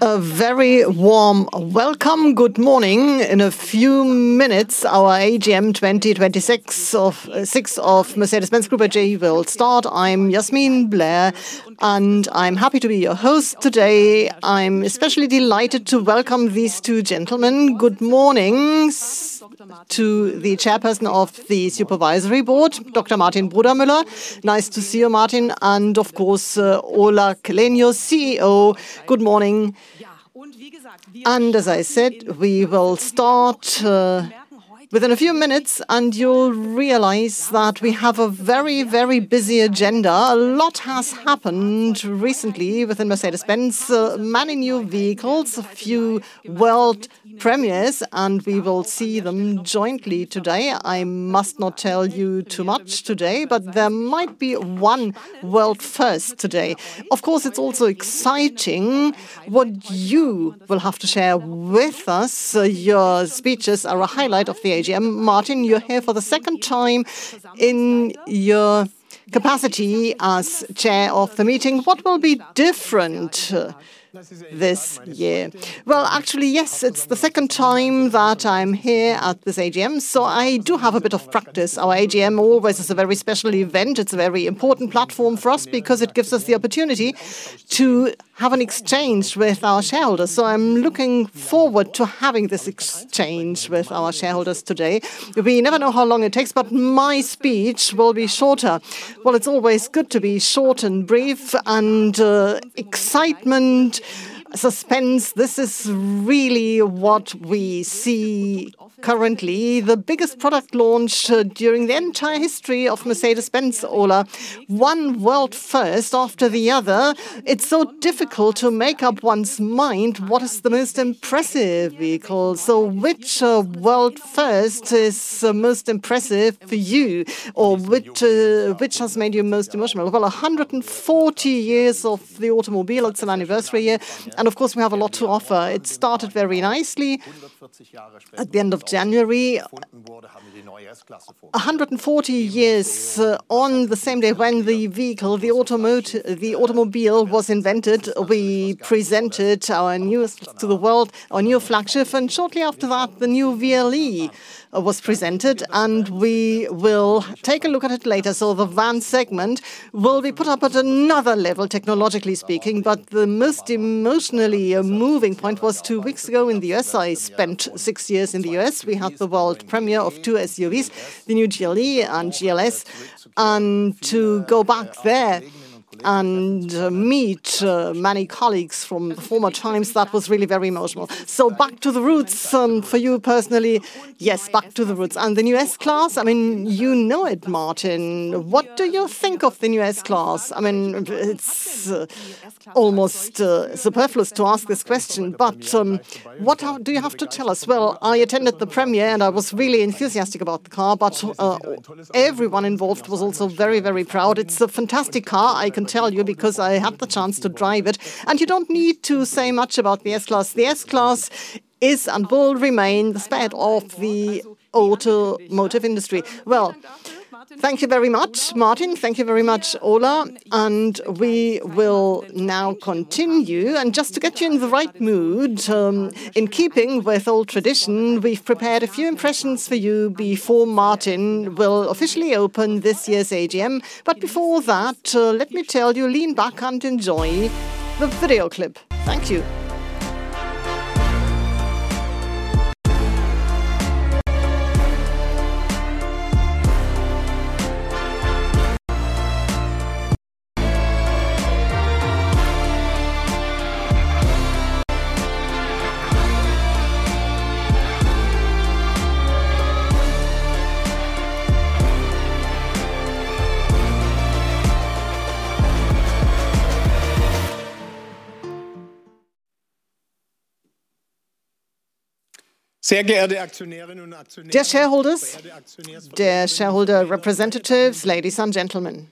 A very warm welcome. Good morning. In a few minutes, our AGM 2026 of Mercedes-Benz Group AG will start. I'm Yasmin Blair, and I'm happy to be your host today. I'm especially delighted to welcome these two gentlemen. Good morning to the Chairperson of the Supervisory Board, Dr. Martin Brudermüller. Nice to see you, Martin, and of course, Ola Källenius, CEO. Good morning. As I said, we will start within a few minutes, and you'll realize that we have a very busy agenda. A lot has happened recently within Mercedes-Benz. Many new vehicles, a few world premieres, and we will see them jointly today. I must not tell you too much today, but there might be one world first today. Of course, it's also exciting what you will have to share with us. Your speeches are a highlight of the AGM. Martin, you're here for the second time in your capacity as chair of the meeting. What will be different this year? Well, actually, yes. It's the second time that I'm here at this AGM, so I do have a bit of practice. Our AGM always is a very special event. It's a very important platform for us because it gives us the opportunity to have an exchange with our shareholders. So I'm looking forward to having this exchange with our shareholders today. We never know how long it takes, but my speech will be shorter. Well, it's always good to be short and brief, and excitement, suspense, this is really what we see currently. The biggest product launch during the entire history of Mercedes-Benz, Ola. One world first after the other. It's so difficult to make up one's mind what is the most impressive vehicle. Which world first is the most impressive for you, or which has made you most emotional? Well, 140 years of the automobile, it's an anniversary year, and of course, we have a lot to offer. It started very nicely at the end of January. 140 years on the same day when the vehicle, the automobile was invented, we presented to the world our new flagship, and shortly after that, the new VLE was presented. We will take a look at it later. The van segment will be put up at another level, technologically speaking. The most emotionally moving point was two weeks ago in the U.S. I spent six years in the U.S. We had the world premiere of two SUVs, the new GLE and GLS. To go back there and meet many colleagues from the former times, that was really very emotional. Back to the roots for you personally. Yes, back to the roots. The new S-Class, you know it, Martin. What do you think of the new S-Class? It's almost superfluous to ask this question, but what do you have to tell us? Well, I attended the premiere, and I was really enthusiastic about the car, but everyone involved was also very proud. It's a fantastic car, I can tell you, because I had the chance to drive it. You don't need to say much about the S-Class. The S-Class is and will remain the spade of the automotive industry. Well, thank you very much, Martin. Thank you very much, Ola. We will now continue. Just to get you in the right mood, in keeping with old tradition, we've prepared a few impressions for you before Martin will officially open this year's AGM. Before that, let me tell you, lean back and enjoy the video clip. Thank you. Dear shareholders, dear shareholder representatives, ladies and gentlemen.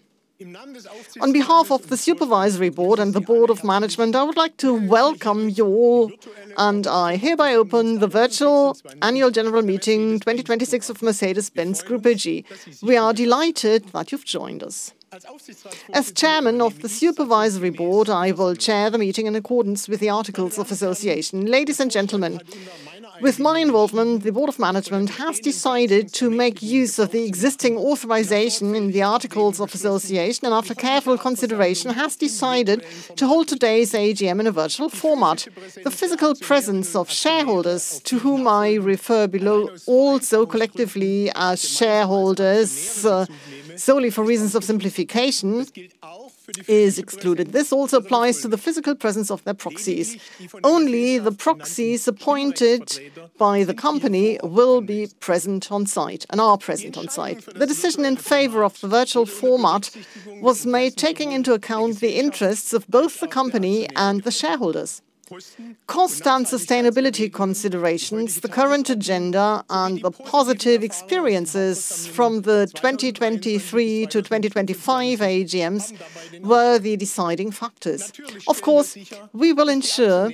On behalf of the Supervisory Board and the Board of Management, I would like to welcome you all, and I hereby open the virtual Annual General Meeting 2026 of Mercedes-Benz Group AG. We are delighted that you've joined us. As Chairman of the Supervisory Board, I will chair the meeting in accordance with the articles of association. Ladies and gentlemen, with my involvement, the Board of Management has decided to make use of the existing authorization in the articles of association, and after careful consideration, has decided to hold today's AGM in a virtual format. The physical presence of shareholders, to whom I refer below, also collectively as shareholders, solely for reasons of simplification, is excluded. This also applies to the physical presence of their proxies. Only the proxies appointed by the company will be present on-site and are present on-site. The decision in favor of the virtual format was made taking into account the interests of both the company and the shareholders. Cost and sustainability considerations, the current agenda, and the positive experiences from the 2023 to 2025 AGMs were the deciding factors. Of course, we will ensure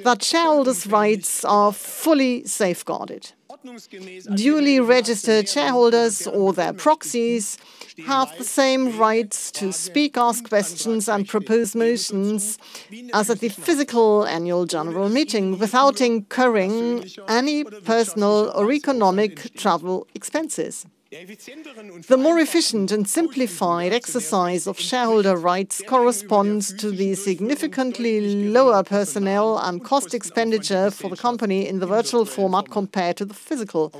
that shareholders' rights are fully safeguarded. Duly registered shareholders or their proxies have the same rights to speak, ask questions, and propose motions as at the physical annual general meeting without incurring any personal or economic travel expenses. The more efficient and simplified exercise of shareholder rights corresponds to the significantly lower personnel and cost expenditure for the company in the virtual format compared to the physical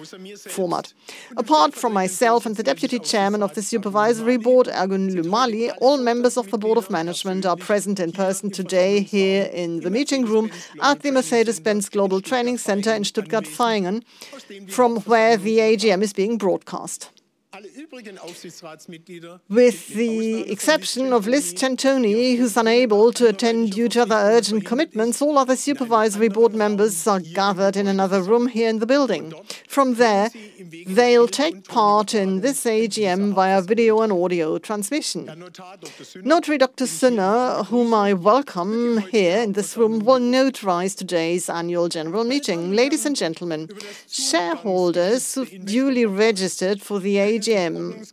format. Apart from myself and the Deputy Chairman of the Supervisory Board, Ergun Lümali, all members of the Board of Management are present in person today here in the meeting room at the Mercedes-Benz Global Training Center in Stuttgart, Vaihingen, from where the AGM is being broadcast. With the exception of Liz Centoni, who's unable to attend due to other urgent commitments, all other Supervisory Board members are gathered in another room here in the building. From there, they'll take part in this AGM via video and audio transmission. Notary Dr. Sinner, whom I welcome here in this room, will notarize today's annual general meeting. Ladies and gentlemen, shareholders who've duly registered for the AGM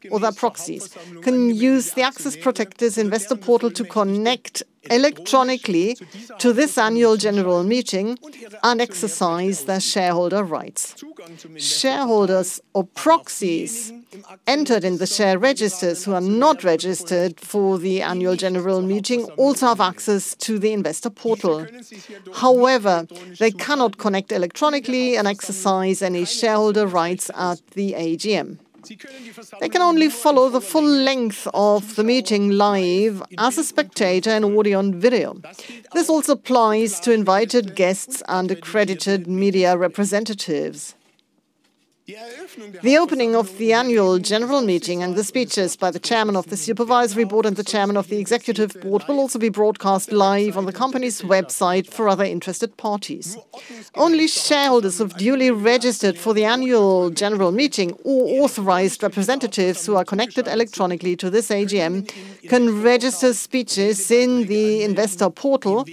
or their proxies can use the access protected investor portal to connect electronically to this annual general meeting and exercise their shareholder rights. Shareholders or proxies entered in the share registers who are not registered for the annual general meeting also have access to the investor portal. However, they cannot connect electronically and exercise any shareholder rights at the AGM. They can only follow the full length of the meeting live as a spectator in audio and video. This also applies to invited guests and accredited media representatives. The opening of the annual general meeting and the speeches by the Chairman of the Supervisory Board and the Chairman of the Board of Management will also be broadcast live on the company's website for other interested parties. Only shareholders who have duly registered for the annual general meeting or authorized representatives who are connected electronically to this AGM can register speeches in the investor portal,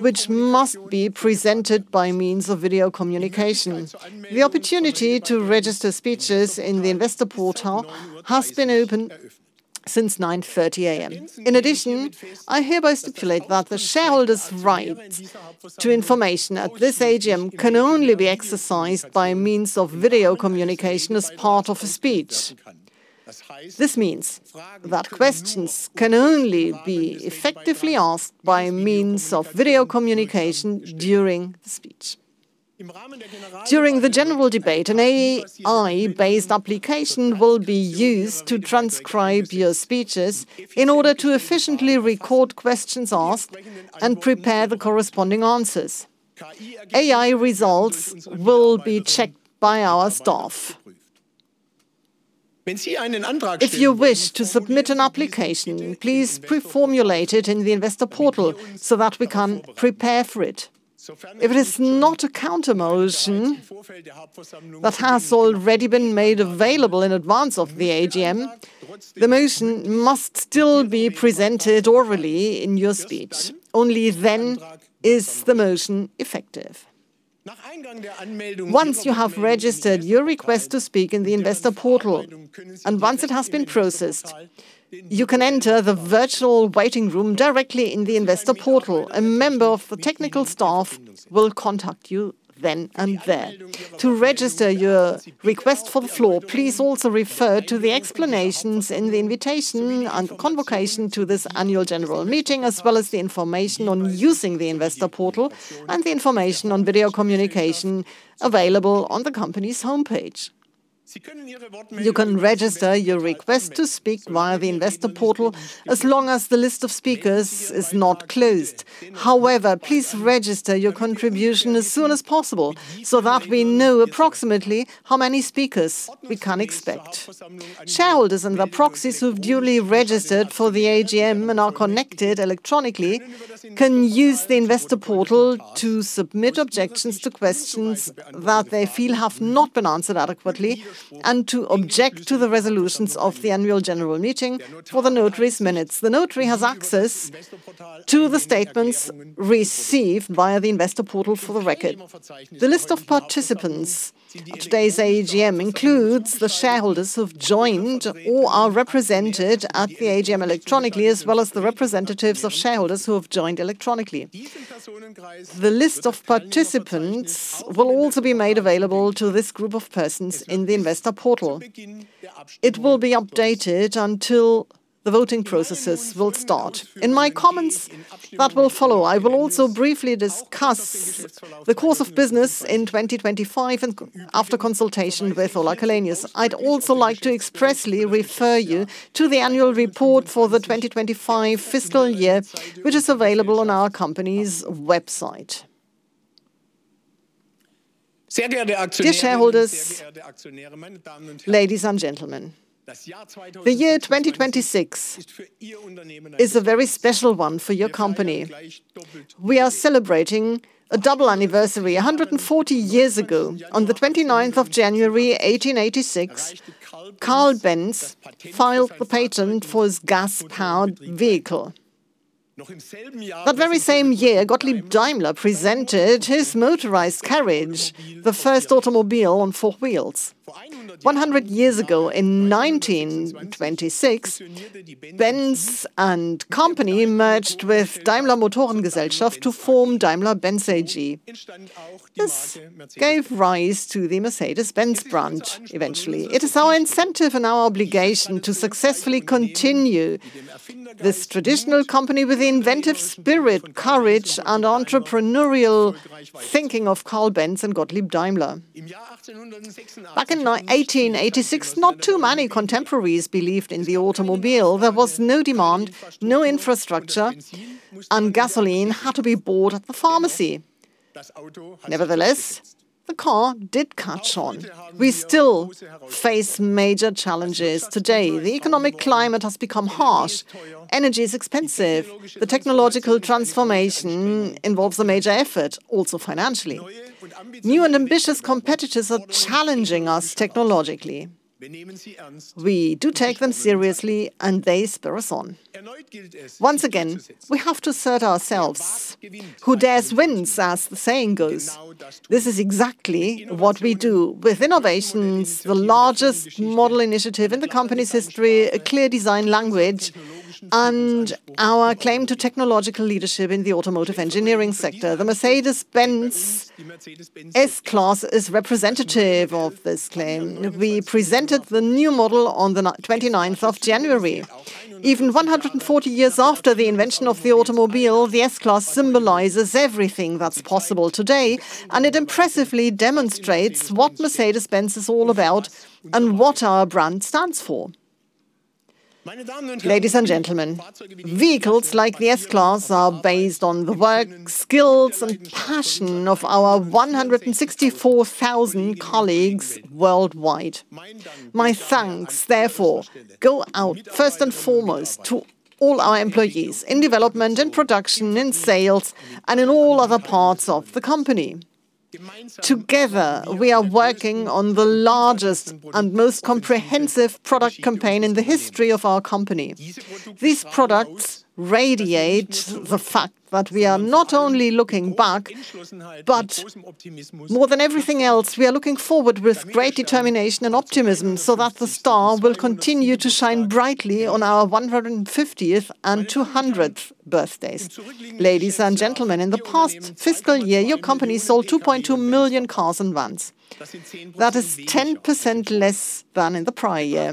which must be presented by means of video communication. The opportunity to register speeches in the investor portal has been open since 9:30 A.M. In addition, I hereby stipulate that the shareholder's right to information at this AGM can only be exercised by means of video communication as part of a speech. This means that questions can only be effectively asked by means of video communication during the speech. During the general debate, an AI-based application will be used to transcribe your speeches in order to efficiently record questions asked and prepare the corresponding answers. AI results will be checked by our staff. If you wish to submit an application, please pre-formulate it in the investor portal so that we can prepare for it. If it is not a counter-motion that has already been made available in advance of the AGM, the motion must still be presented orally in your speech. Only then is the motion effective. Once you have registered your request to speak in the investor portal, and once it has been processed, you can enter the virtual waiting room directly in the investor portal. A member of the technical staff will contact you then and there. To register your request for the floor, please also refer to the explanations in the invitation and convocation to this Annual General Meeting, as well as the information on using the investor portal and the information on video communication available on the company's homepage. You can register your request to speak via the investor portal as long as the list of speakers is not closed. However, please register your contribution as soon as possible so that we know approximately how many speakers we can expect. Shareholders and their proxies who've duly registered for the AGM and are connected electronically can use the investor portal to submit objections to questions that they feel have not been answered adequately and to object to the resolutions of the annual general meeting for the notary's minutes. The notary has access to the statements received via the investor portal for the record. The list of participants at today's AGM includes the shareholders who have joined or are represented at the AGM electronically, as well as the representatives of shareholders who have joined electronically. The list of participants will also be made available to this group of persons in the investor portal. It will be updated until the voting processes will start. In my comments that will follow, I will also briefly discuss the course of business in 2025 and after consultation with Ola Källenius. I'd also like to expressly refer you to the annual report for the 2025 fiscal year, which is available on our company's website. Dear shareholders, ladies and gentlemen. The year 2026 is a very special one for your company. We are celebrating a double anniversary. 140 years ago, on the 29th of January 1886, Carl Benz filed the patent for his gas-powered vehicle. That very same year, Gottlieb Daimler presented his motorized carriage, the first automobile on four wheels. 100 years ago, in 1926, Benz & Cie. merged with Daimler Motoren Gesellschaft to form Daimler-Benz AG. This gave rise to the Mercedes-Benz brand eventually. It is our incentive and our obligation to successfully continue this traditional company with the inventive spirit, courage, and entrepreneurial thinking of Carl Benz and Gottlieb Daimler. Back in 1886, not too many contemporaries believed in the automobile. There was no demand, no infrastructure, and gasoline had to be bought at the pharmacy. Nevertheless, the car did catch on. We still face major challenges today. The economic climate has become harsh. Energy is expensive. The technological transformation involves a major effort, also financially. New and ambitious competitors are challenging us technologically. We do take them seriously, and they spur us on. Once again, we have to assert ourselves. Who dares wins, as the saying goes. This is exactly what we do with innovations, the largest model initiative in the company's history, a clear design language, and our claim to technological leadership in the automotive engineering sector. The Mercedes-Benz S-Class is representative of this claim. We presented the new model on the 29th of January. Even 140 years after the invention of the automobile, the S-Class symbolizes everything that's possible today, and it impressively demonstrates what Mercedes-Benz is all about and what our brand stands for. Ladies and gentlemen, vehicles like the S-Class are based on the work, skills, and passion of our 164,000 colleagues worldwide. My thanks, therefore, go out first and foremost to all our employees in development, in production, in sales, and in all other parts of the company. Together, we are working on the largest and most comprehensive product campaign in the history of our company. These products radiate the fact that we are not only looking back, but more than everything else, we are looking forward with great determination and optimism, so that the star will continue to shine brightly on our 150th and 200th birthdays. Ladies and gentlemen, in the past fiscal year, your company sold 2.2 million cars and vans. That is 10% less than in the prior year.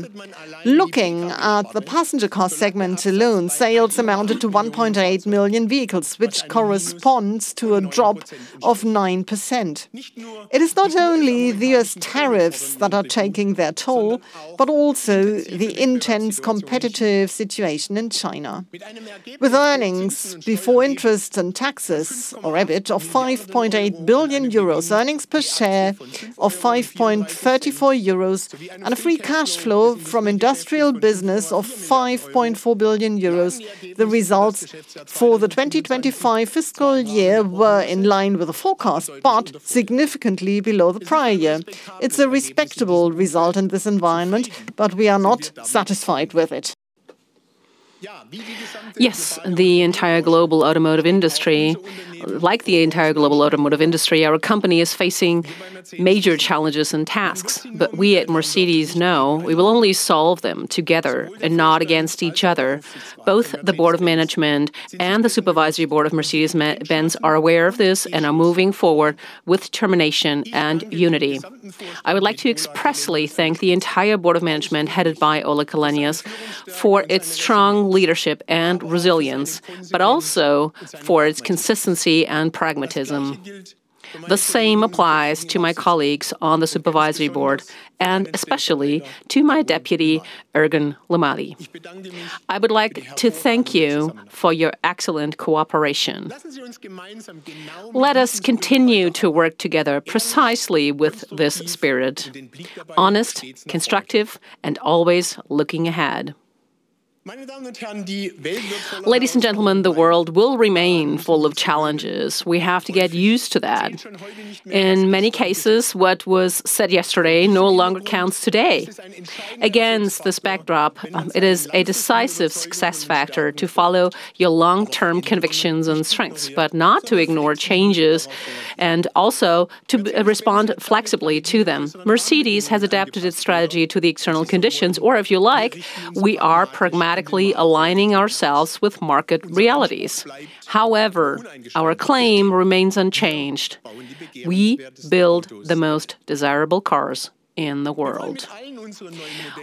Looking at the passenger car segment alone, sales amounted to 1.8 million vehicles, which corresponds to a drop of 9%. It is not only the U.S. tariffs that are taking their toll, but also the intense competitive situation in China. With earnings before interest and taxes, or EBIT, of 5.8 billion euros, earnings per share of 5.34 euros, and a free cash flow from industrial business of 5.4 billion euros, the results for the 2025 fiscal year were in line with the forecast, but significantly below the prior year. It's a respectable result in this environment, but we are not satisfied with it. Yes, like the entire global automotive industry, our company is facing major challenges and tasks. We at Mercedes know we will only solve them together and not against each other. Both the Board of Management and the Supervisory Board of Mercedes-Benz are aware of this and are moving forward with determination and unity. I would like to expressly thank the entire Board of Management, headed by Ola Källenius, for its strong leadership and resilience, but also for its consistency and pragmatism. The same applies to my colleagues on the Supervisory Board and especially to my deputy, Ergun Lümali. I would like to thank you for your excellent cooperation. Let us continue to work together precisely with this spirit, honest, constructive, and always looking ahead. Ladies and gentlemen, the world will remain full of challenges. We have to get used to that. In many cases, what was said yesterday no longer counts today. Against this backdrop, it is a decisive success factor to follow your long-term convictions and strengths, but not to ignore changes and also to respond flexibly to them. Mercedes has adapted its strategy to the external conditions, or if you like, we are pragmatically aligning ourselves with market realities. However, our claim remains unchanged. We build the most desirable cars in the world.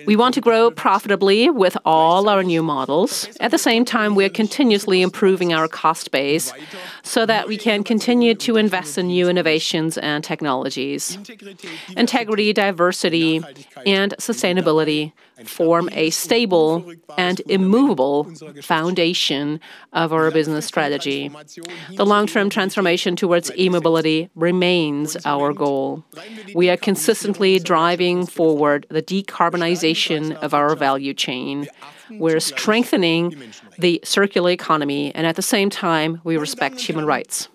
We want to grow profitably with all our new models. At the same time, we are continuously improving our cost base so that we can continue to invest in new innovations and technologies. Integrity, diversity, and sustainability form a stable and immovable foundation of our business strategy. The long-term transformation towards e-mobility remains our goal. We are consistently driving forward the decarbonization of our value chain. We're strengthening the circular economy, and at the same time, we respect human rights.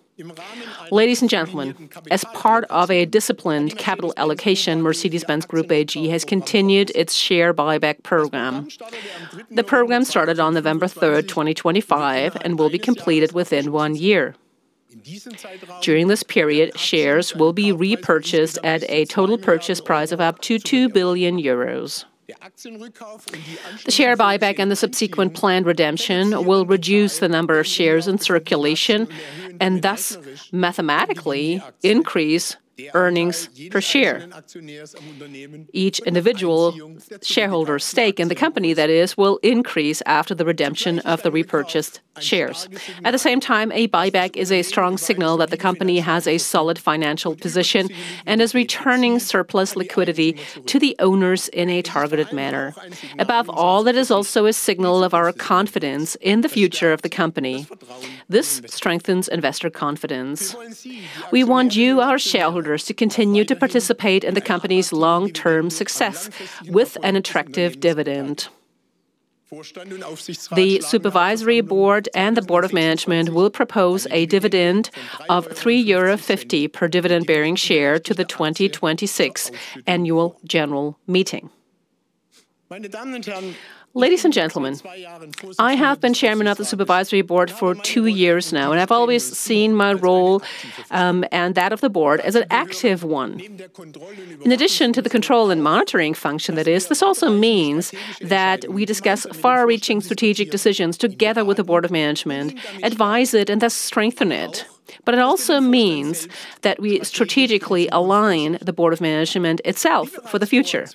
Ladies and gentlemen, as part of a disciplined capital allocation, Mercedes-Benz Group AG has continued its share buyback program. The program started on November 3rd, 2025, and will be completed within one year. During this period, shares will be repurchased at a total purchase price of up to 2 billion euros. The share buyback and the subsequent planned redemption will reduce the number of shares in circulation and thus mathematically increase earnings per share. Each individual shareholder's stake in the company, that is, will increase after the redemption of the repurchased shares. At the same time, a buyback is a strong signal that the company has a solid financial position and is returning surplus liquidity to the owners in a targeted manner. Above all, it is also a signal of our confidence in the future of the company. This strengthens investor confidence. We want you, our shareholders, to continue to participate in the company's long-term success with an attractive dividend. The Supervisory Board and the Board of Management will propose a dividend of 3.50 euro per dividend-bearing share to the 2026 Annual General Meeting. Ladies and gentlemen, I have been Chairman of the Supervisory Board for two years now, and I've always seen my role, and that of the board, as an active one. In addition to the control and monitoring function it is, this also means that we discuss far-reaching strategic decisions together with the Board of Management, advise it, and thus strengthen it. It also means that we strategically align the Board of Management itself for the future.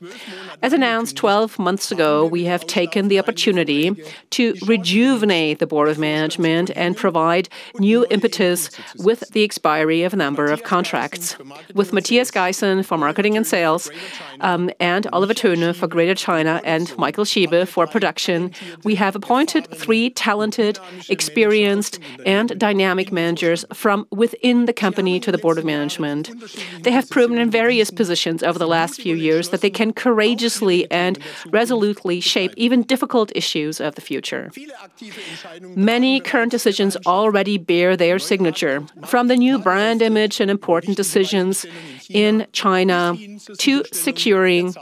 As announced 12 months ago, we have taken the opportunity to rejuvenate the Board of Management and provide new impetus with the expiry of a number of contracts. With Mathias Geisen for marketing and sales, and Oliver Thöne for Greater China, and Michael Schiebe for production, we have appointed three talented, experienced, and dynamic managers from within the company to the Board of Management. They have proven in various positions over the last few years that they can courageously and resolutely shape even difficult issues of the future. Many current decisions already bear their signature, from the new brand image and important decisions in China to securing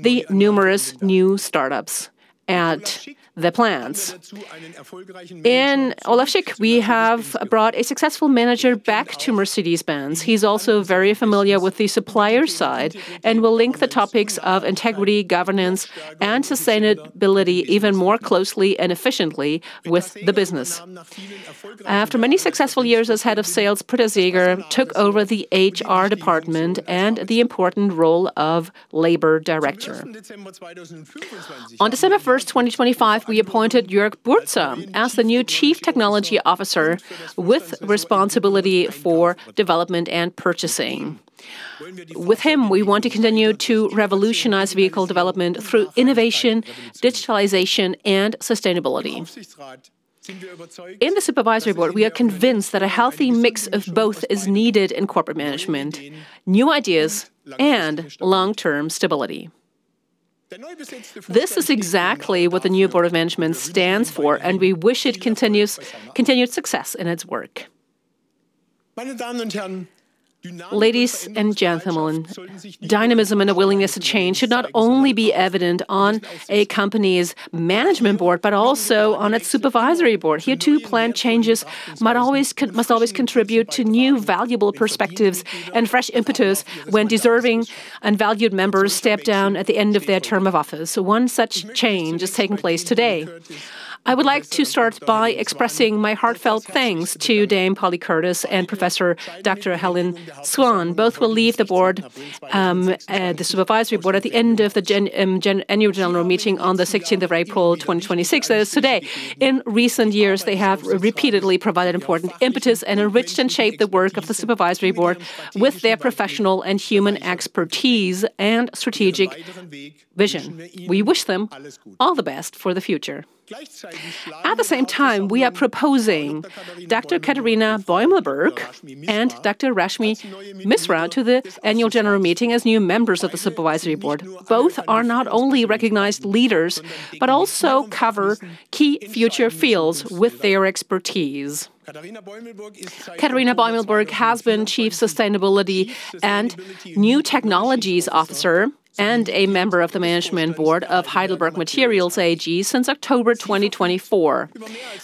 the numerous new startups at the plants. In Olaf Schick, we have brought a successful manager back to Mercedes-Benz. He's also very familiar with the supplier side and will link the topics of integrity, governance, and sustainability even more closely and efficiently with the business. After many successful years as head of sales, Britta Seeger took over the HR department and the important role of Labor Director. On December 1st, 2025, we appointed Jörg Burzer as the new Chief Technology Officer with responsibility for development and purchasing. With him, we want to continue to revolutionize vehicle development through innovation, digitalization, and sustainability. In the Supervisory Board, we are convinced that a healthy mix of both is needed in corporate management, new ideas, and long-term stability. This is exactly what the new Board of Management stands for, and we wish it continued success in its work. Ladies and gentlemen, dynamism and a willingness to change should not only be evident on a company's Board of Management, but also on its Supervisory Board. Here, too, planned changes must always contribute to new valuable perspectives and fresh impetus when deserving and valued members step down at the end of their term of office. One such change is taking place today. I would like to start by expressing my heartfelt thanks to Dame Polly Courtice and Professor Dr. Helene Svahn. Both will leave the Supervisory Board at the end of the Annual General Meeting on the 16th of April 2026. As of today, in recent years, they have repeatedly provided important impetus and enriched and shaped the work of the Supervisory Board with their professional and human expertise and strategic vision. We wish them all the best for the future. At the same time, we are proposing Dr. Katharina Beumelburg and Dr. Rashmi Misra to the annual general meeting as new members of the Supervisory Board. Both are not only recognized leaders, but also cover key future fields with their expertise. Katharina Beumelburg has been Chief Sustainability and New Technologies Officer and a member of the Management Board of Heidelberg Materials AG since October 2024.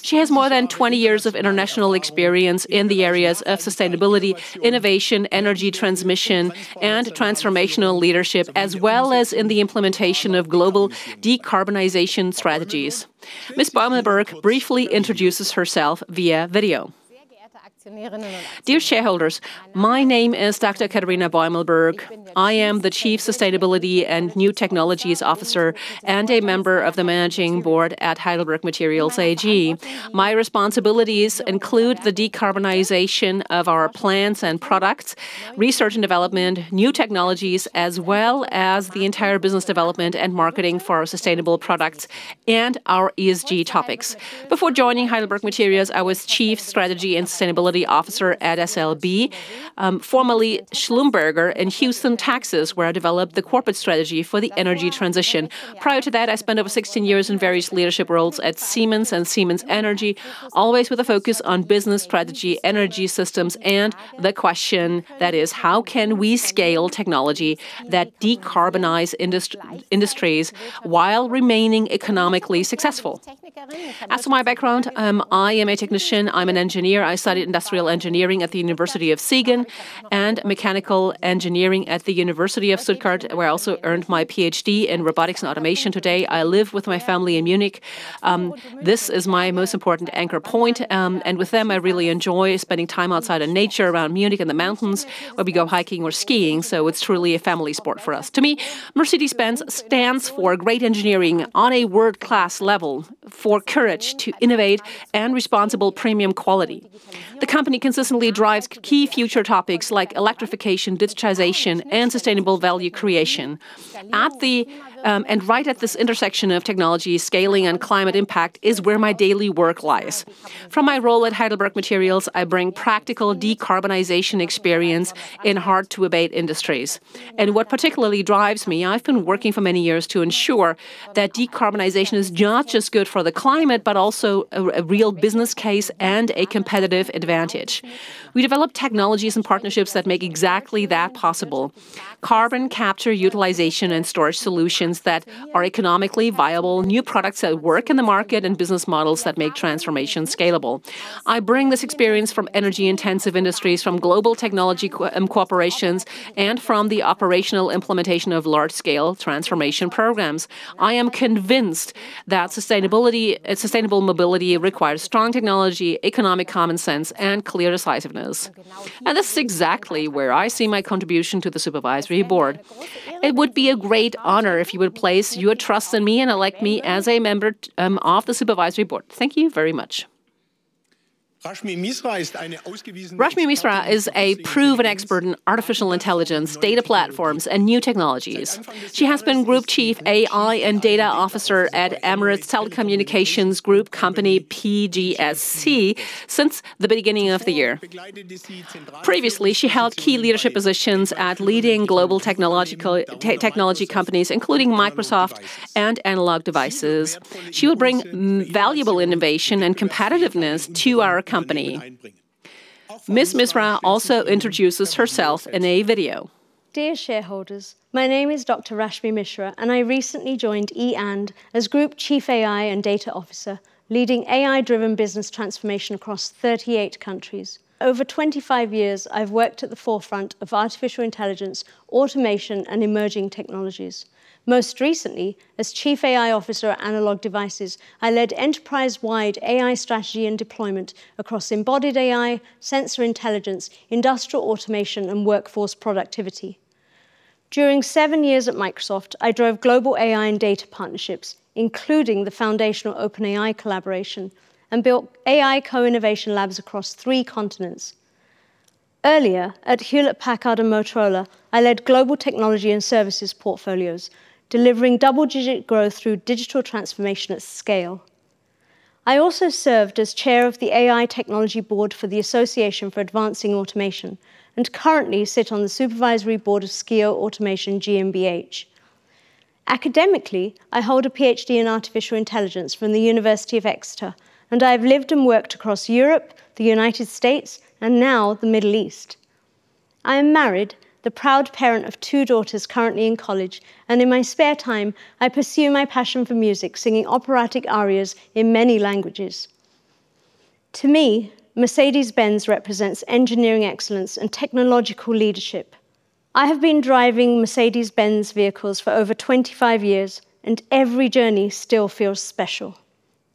She has more than 20 years of international experience in the areas of sustainability, innovation, energy transmission, and transformational leadership, as well as in the implementation of global decarbonization strategies. Ms. Beumelburg briefly introduces herself via video. Dear shareholders, my name is Dr. Katharina Beumelburg. I am the Chief Sustainability and New Technologies Officer and a member of the Management Board at Heidelberg Materials AG. My responsibilities include the decarbonization of our plants and products, research and development, new technologies, as well as the entire business development and marketing for our sustainable products and our ESG topics. Before joining Heidelberg Materials, I was Chief Strategy and Sustainability Officer at SLB, formerly Schlumberger, in Houston, Texas, where I developed the corporate strategy for the energy transition. Prior to that, I spent over 16 years in various leadership roles at Siemens and Siemens Energy, always with a focus on business strategy, energy systems, and the question that is, how can we scale technology that decarbonize industries while remaining economically successful? As for my background, I am a technician. I'm an engineer. I studied industrial engineering at the University of Siegen and mechanical engineering at the University of Stuttgart, where I also earned my PhD in robotics and automation. Today, I live with my family in Munich. This is my most important anchor point. With them, I really enjoy spending time outside in nature around Munich, in the mountains, where we go hiking or skiing. It's truly a family sport for us. To me, Mercedes-Benz stands for great engineering on a world-class level, for courage to innovate and responsible premium quality. The company consistently drives key future topics like electrification, digitization, and sustainable value creation. Right at this intersection of technology, scaling, and climate impact is where my daily work lies. From my role at Heidelberg Materials, I bring practical decarbonization experience in hard-to-abate industries. What particularly drives me, I've been working for many years to ensure that decarbonization is not just good for the climate, but also a real business case and a competitive advantage. We develop technologies and partnerships that make exactly that possible. Carbon capture utilization and storage solutions that are economically viable, new products that work in the market, and business models that make transformation scalable. I bring this experience from energy-intensive industries, from global technology corporations, and from the operational implementation of large-scale transformation programs. I am convinced that sustainable mobility requires strong technology, economic common sense, and clear decisiveness. That's exactly where I see my contribution to the Supervisory Board. It would be a great honor if you would place your trust in me and elect me as a member of the Supervisory Board. Thank you very much. Rashmi Misra is a proven expert in artificial intelligence, data platforms, and new technologies. She has been Group Chief AI and Data Officer at Emirates Telecommunications Group Company PJSC since the beginning of the year. Previously, she held key leadership positions at leading global technology companies, including Microsoft and Analog Devices. She will bring valuable innovation and competitiveness to our company. Ms. Misra also introduces herself in a video. Dear shareholders, my name is Dr. Rashmi Misra, and I recently joined e& as Group Chief AI and Data Officer, leading AI-driven business transformation across 38 countries. Over 25 years, I've worked at the forefront of artificial intelligence, automation, and emerging technologies. Most recently, as Chief AI Officer at Analog Devices, I led enterprise-wide AI strategy and deployment across embodied AI, sensor intelligence, industrial automation, and workforce productivity. During seven years at Microsoft, I drove global AI and data partnerships, including the foundational OpenAI collaboration, and built AI co-innovation labs across three continents. Earlier, at Hewlett-Packard and Motorola, I led global technology and services portfolios, delivering double-digit growth through digital transformation at scale. I also served as chair of the AI Technology Board for the Association for Advancing Automation, and currently sit on the supervisory board of SCIO Automation GmbH. Academically, I hold a Ph.D. in artificial intelligence from the University of Exeter, and I have lived and worked across Europe, the United States, and now the Middle East. I am married, the proud parent of two daughters currently in college, and in my spare time, I pursue my passion for music, singing operatic arias in many languages. To me, Mercedes-Benz represents engineering excellence and technological leadership. I have been driving Mercedes-Benz vehicles for over 25 years, and every journey still feels special.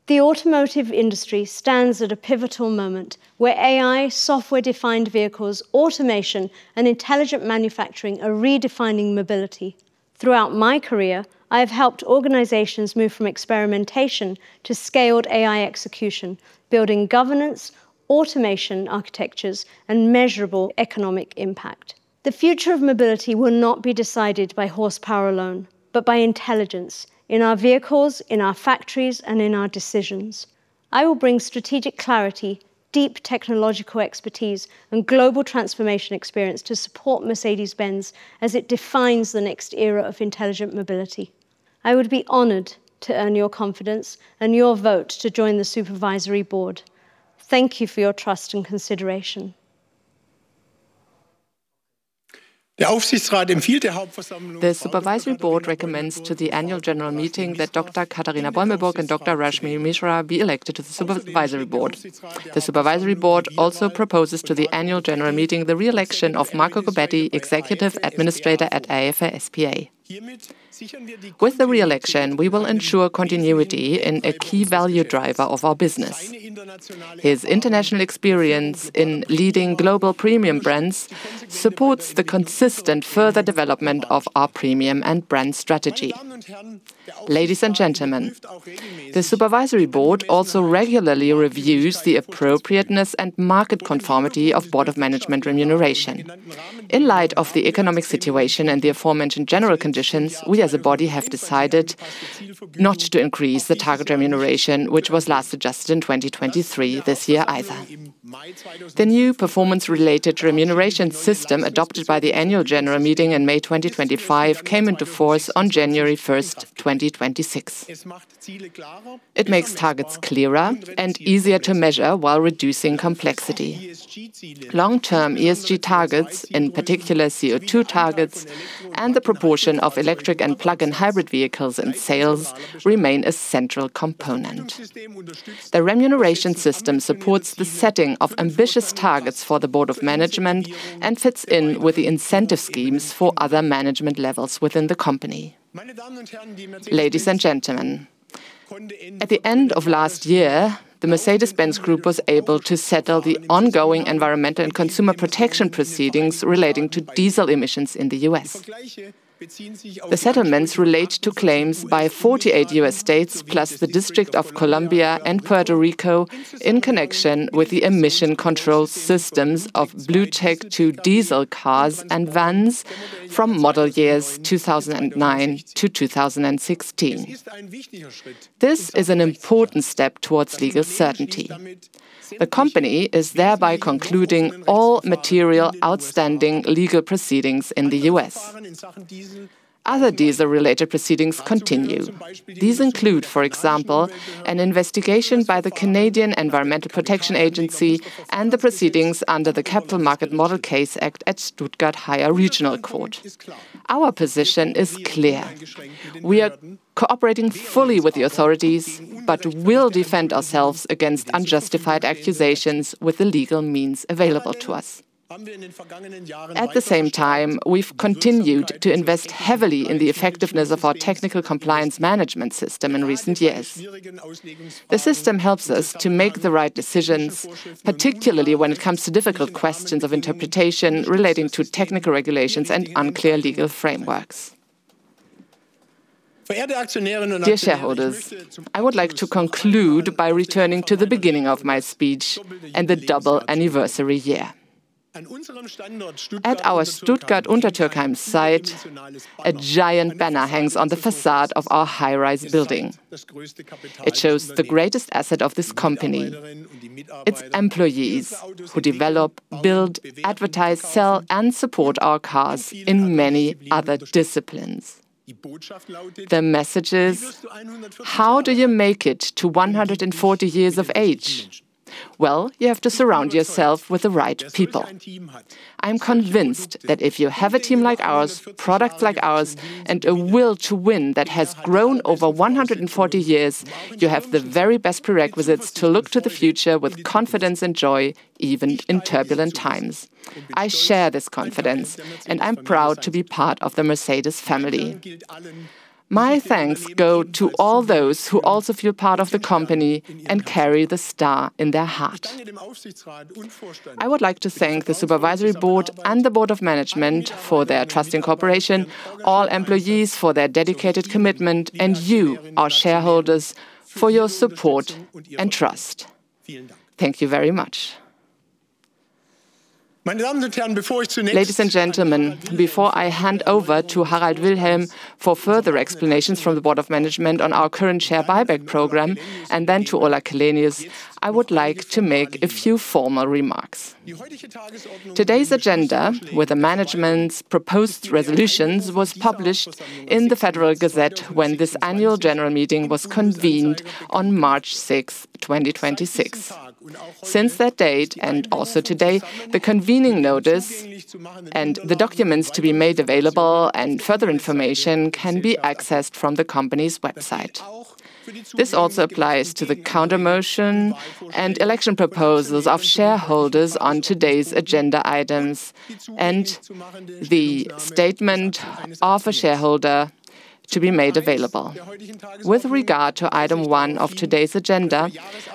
The automotive industry stands at a pivotal moment where AI, software-defined vehicles, automation, and intelligent manufacturing are redefining mobility. Throughout my career, I have helped organizations move from experimentation to scaled AI execution, building governance, automation architectures, and measurable economic impact. The future of mobility will not be decided by horsepower alone, but by intelligence in our vehicles, in our factories, and in our decisions. I will bring strategic clarity, deep technological expertise, and global transformation experience to support Mercedes-Benz as it defines the next era of intelligent mobility. I would be honored to earn your confidence and your vote to join the Supervisory Board. Thank you for your trust and consideration. The Supervisory Board recommends to the Annual General Meeting that Dr. Katharina Beumelburg and Dr. Rashmi Misra be elected to the Supervisory Board. The Supervisory Board also proposes to the Annual General Meeting the re-election of Marco Gobbetti, Executive Administrator at Aeffe S.p.A. With the re-election, we will ensure continuity in a key value driver of our business. His international experience in leading global premium brands supports the consistent further development of our premium and brand strategy. Ladies and gentlemen, the Supervisory Board also regularly reviews the appropriateness and market conformity of Board of Management remuneration. In light of the economic situation and the aforementioned general conditions, we as a body have decided not to increase the target remuneration, which was last adjusted in 2023, this year either. The new performance-related remuneration system adopted by the Annual General Meeting in May 2025 came into force on January 1st, 2026. It makes targets clearer and easier to measure while reducing complexity. Long-term ESG targets, in particular CO2 targets, and the proportion of electric and plug-in hybrid vehicles and sales remain a central component. The remuneration system supports the setting of ambitious targets for the Board of Management and fits in with the incentive schemes for other management levels within the company. Ladies and gentlemen, at the end of last year, the Mercedes-Benz Group was able to settle the ongoing environmental and consumer protection proceedings relating to diesel emissions in the U.S. The settlements relate to claims by 48 U.S. states plus the District of Columbia and Puerto Rico in connection with the emission control systems of BlueTEC diesel cars and vans from model years 2009-2016. This is an important step towards legal certainty. The company is thereby concluding all material, outstanding legal proceedings in the U.S. Other diesel-related proceedings continue. These include, for example, an investigation by the Canadian Environmental Protection Agency and the proceedings under the Capital Market Model Case Act at Stuttgart Higher Regional Court. Our position is clear. We are cooperating fully with the authorities but will defend ourselves against unjustified accusations with the legal means available to us. At the same time, we've continued to invest heavily in the effectiveness of our technical compliance management system in recent years. The system helps us to make the right decisions, particularly when it comes to difficult questions of interpretation relating to technical regulations and unclear legal frameworks. Dear shareholders, I would like to conclude by returning to the beginning of my speech and the double anniversary year. At our Stuttgart-Untertürkheim site, a giant banner hangs on the facade of our high-rise building. It shows the greatest asset of this company, its employees, who develop, build, advertise, sell, and support our cars in many other disciplines. The message is, how do you make it to 140 years of age? Well, you have to surround yourself with the right people. I'm convinced that if you have a team like ours, products like ours, and a will to win that has grown over 140 years, you have the very best prerequisites to look to the future with confidence and joy, even in turbulent times. I share this confidence, and I'm proud to be part of the Mercedes family. My thanks go to all those who also feel part of the company and carry the star in their heart. I would like to thank the Supervisory Board and the Board of Management for their trust and cooperation, all employees for their dedicated commitment, and you, our shareholders, for your support and trust. Thank you very much. Ladies and gentlemen, before I hand over to Harald Wilhelm for further explanations from the Board of Management on our current share buyback program, and then to Ola Källenius, I would like to make a few formal remarks. Today's agenda with the Management's proposed resolutions was published in the Federal Gazette when this Annual General Meeting was convened on March 6th, 2026. Since that date, and also today, the convening notice and the documents to be made available and further information can be accessed from the company's website. This also applies to the countermotion and election proposals of shareholders on today's agenda items and the statement of a shareholder to be made available. With regard to item one of today's agenda,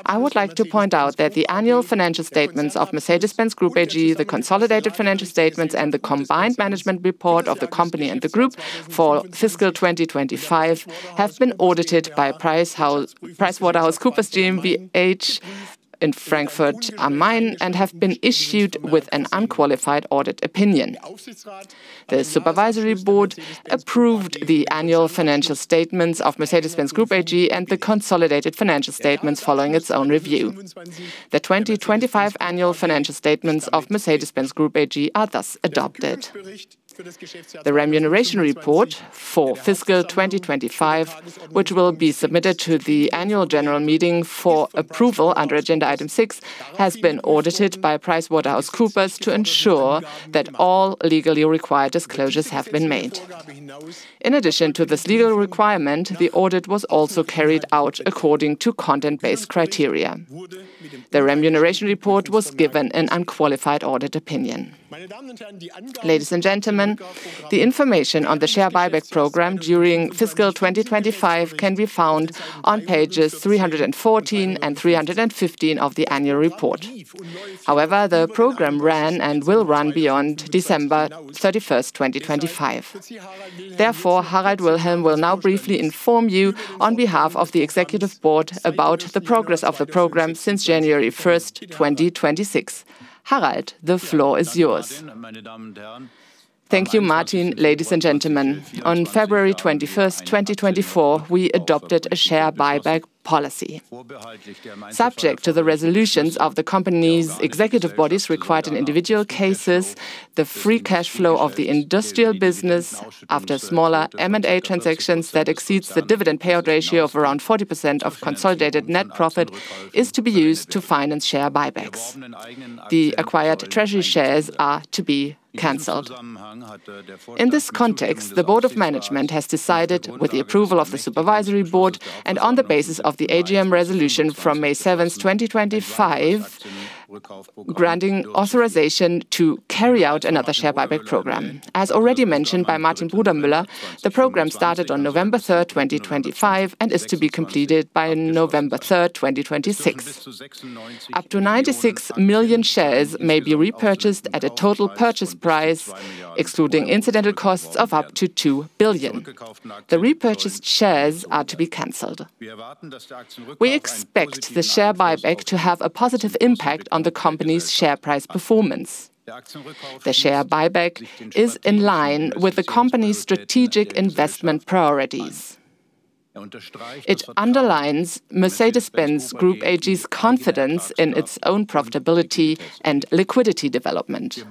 I would like to point out that the annual financial statements of Mercedes-Benz Group AG, the consolidated financial statements, and the combined management report of the company and the group for fiscal 2025 have been audited by PricewaterhouseCoopers GmbH in Frankfurt am Main and have been issued with an unqualified audit opinion. The Supervisory Board approved the annual financial statements of Mercedes-Benz Group AG and the consolidated financial statements following its own review. The 2025 annual financial statements of Mercedes-Benz Group AG are thus adopted. The remuneration report for fiscal 2025, which will be submitted to the Annual General Meeting for approval under agenda item six, has been audited by PricewaterhouseCoopers to ensure that all legally required disclosures have been made. In addition to this legal requirement, the audit was also carried out according to content-based criteria. The remuneration report was given an unqualified audit opinion. Ladies and gentlemen, the information on the share buyback program during fiscal 2025 can be found on pages 314 and 315 of the annual report. However, the program ran and will run beyond December 31st, 2025. Therefore, Harald Wilhelm will now briefly inform you on behalf of the executive board about the progress of the program since January 1st, 2026. Harald, the floor is yours. Thank you, Martin. Ladies and gentlemen, on February 21st, 2024, we adopted a share buyback policy. Subject to the resolutions of the company's executive bodies required in individual cases, the free cash flow of the industrial business after smaller M&A transactions that exceeds the dividend payout ratio of around 40% of consolidated net profit is to be used to finance share buybacks. The acquired treasury shares are to be canceled. In this context, the Board of Management has decided, with the approval of the Supervisory Board and on the basis of the AGM resolution from May 7th, 2025, granting authorization to carry out another share buyback program. As already mentioned by Martin Brudermüller, the program started on November 3rd, 2025, and is to be completed by November 3rd, 2026. Up to 96 million shares may be repurchased at a total purchase price, excluding incidental costs of up to 2 billion. The repurchased shares are to be canceled. We expect the share buyback to have a positive impact on the company's share price performance. The share buyback is in line with the company's strategic investment priorities. It underlines Mercedes-Benz Group AG's confidence in its own profitability and liquidity development.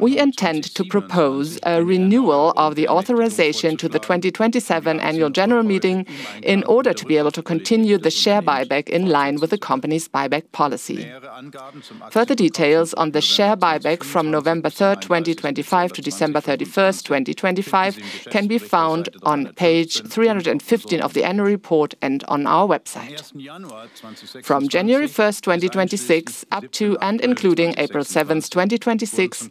We intend to propose a renewal of the authorization to the 2027 annual general meeting in order to be able to continue the share buyback in line with the company's buyback policy. Further details on the share buyback from November 3rd, 2025 to December 31st, 2025, can be found on page 315 of the annual report and on our website. From January 1st, 2026, up to and including April 7th, 2026,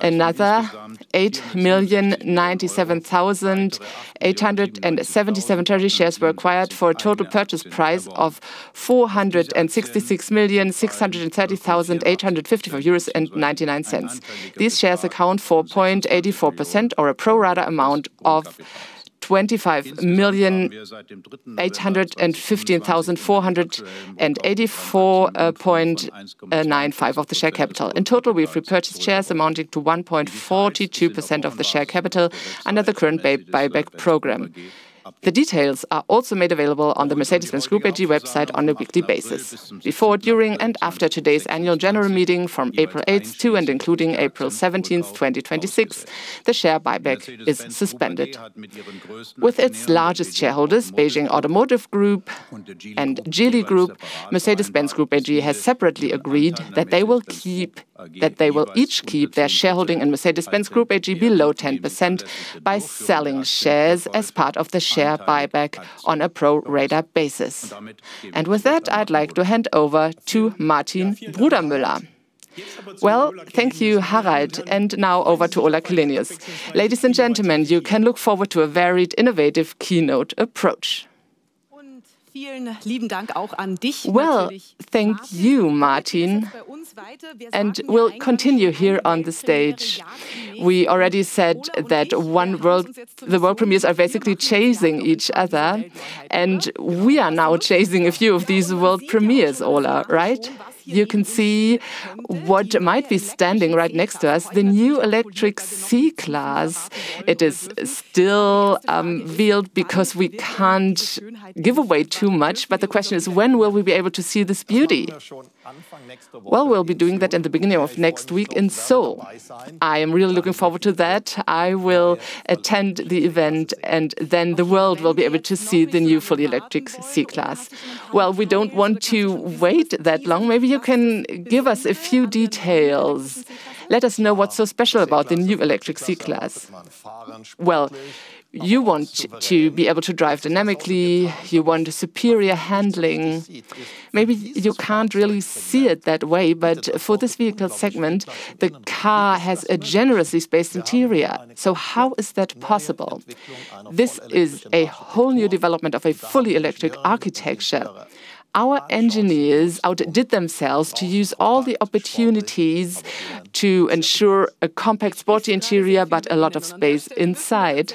another 8,097,877 treasury shares were acquired for a total purchase price of 466,630,855.99 euros. These shares account for 0.84% or a pro rata amount of 25,815,484.95 of the share capital. In total, we've repurchased shares amounting to 1.42% of the share capital under the current buyback program. The details are also made available on the Mercedes-Benz Group AG website on a weekly basis. Before, during, and after today's annual general meeting from April 8th to and including April 17th, 2026, the share buyback is suspended. With its largest shareholders, Beijing Automotive Group and Geely Group, Mercedes-Benz Group AG has separately agreed that they will each keep their shareholding in Mercedes-Benz Group AG below 10% by selling shares as part of the share buyback on a pro rata basis. With that, I'd like to hand over to Martin Brudermüller. Well, thank you, Harald, and now over to Ola Källenius. Ladies and gentlemen, you can look forward to a varied, innovative keynote approach. Well, thank you, Martin. We'll continue here on the stage. We already said that the world premieres are basically chasing each other, and we are now chasing a few of these world premieres, Ola, right? You can see what might be standing right next to us, the new electric C-Class. It is still veiled because we can't give away too much, but the question is, when will we be able to see this beauty? Well, we'll be doing that at the beginning of next week in Seoul. I am really looking forward to that. I will attend the event, and then the world will be able to see the new fully electric C-Class. Well, we don't want to wait that long. Maybe you can give us a few details. Let us know what's so special about the new electric C-Class. Well, you want to be able to drive dynamically. You want a superior handling. Maybe you can't really see it that way, but for this vehicle segment, the car has a generously spaced interior. So how is that possible? This is a whole new development of a fully electric architecture. Our engineers outdid themselves to use all the opportunities to ensure a compact, sporty interior, but a lot of space inside.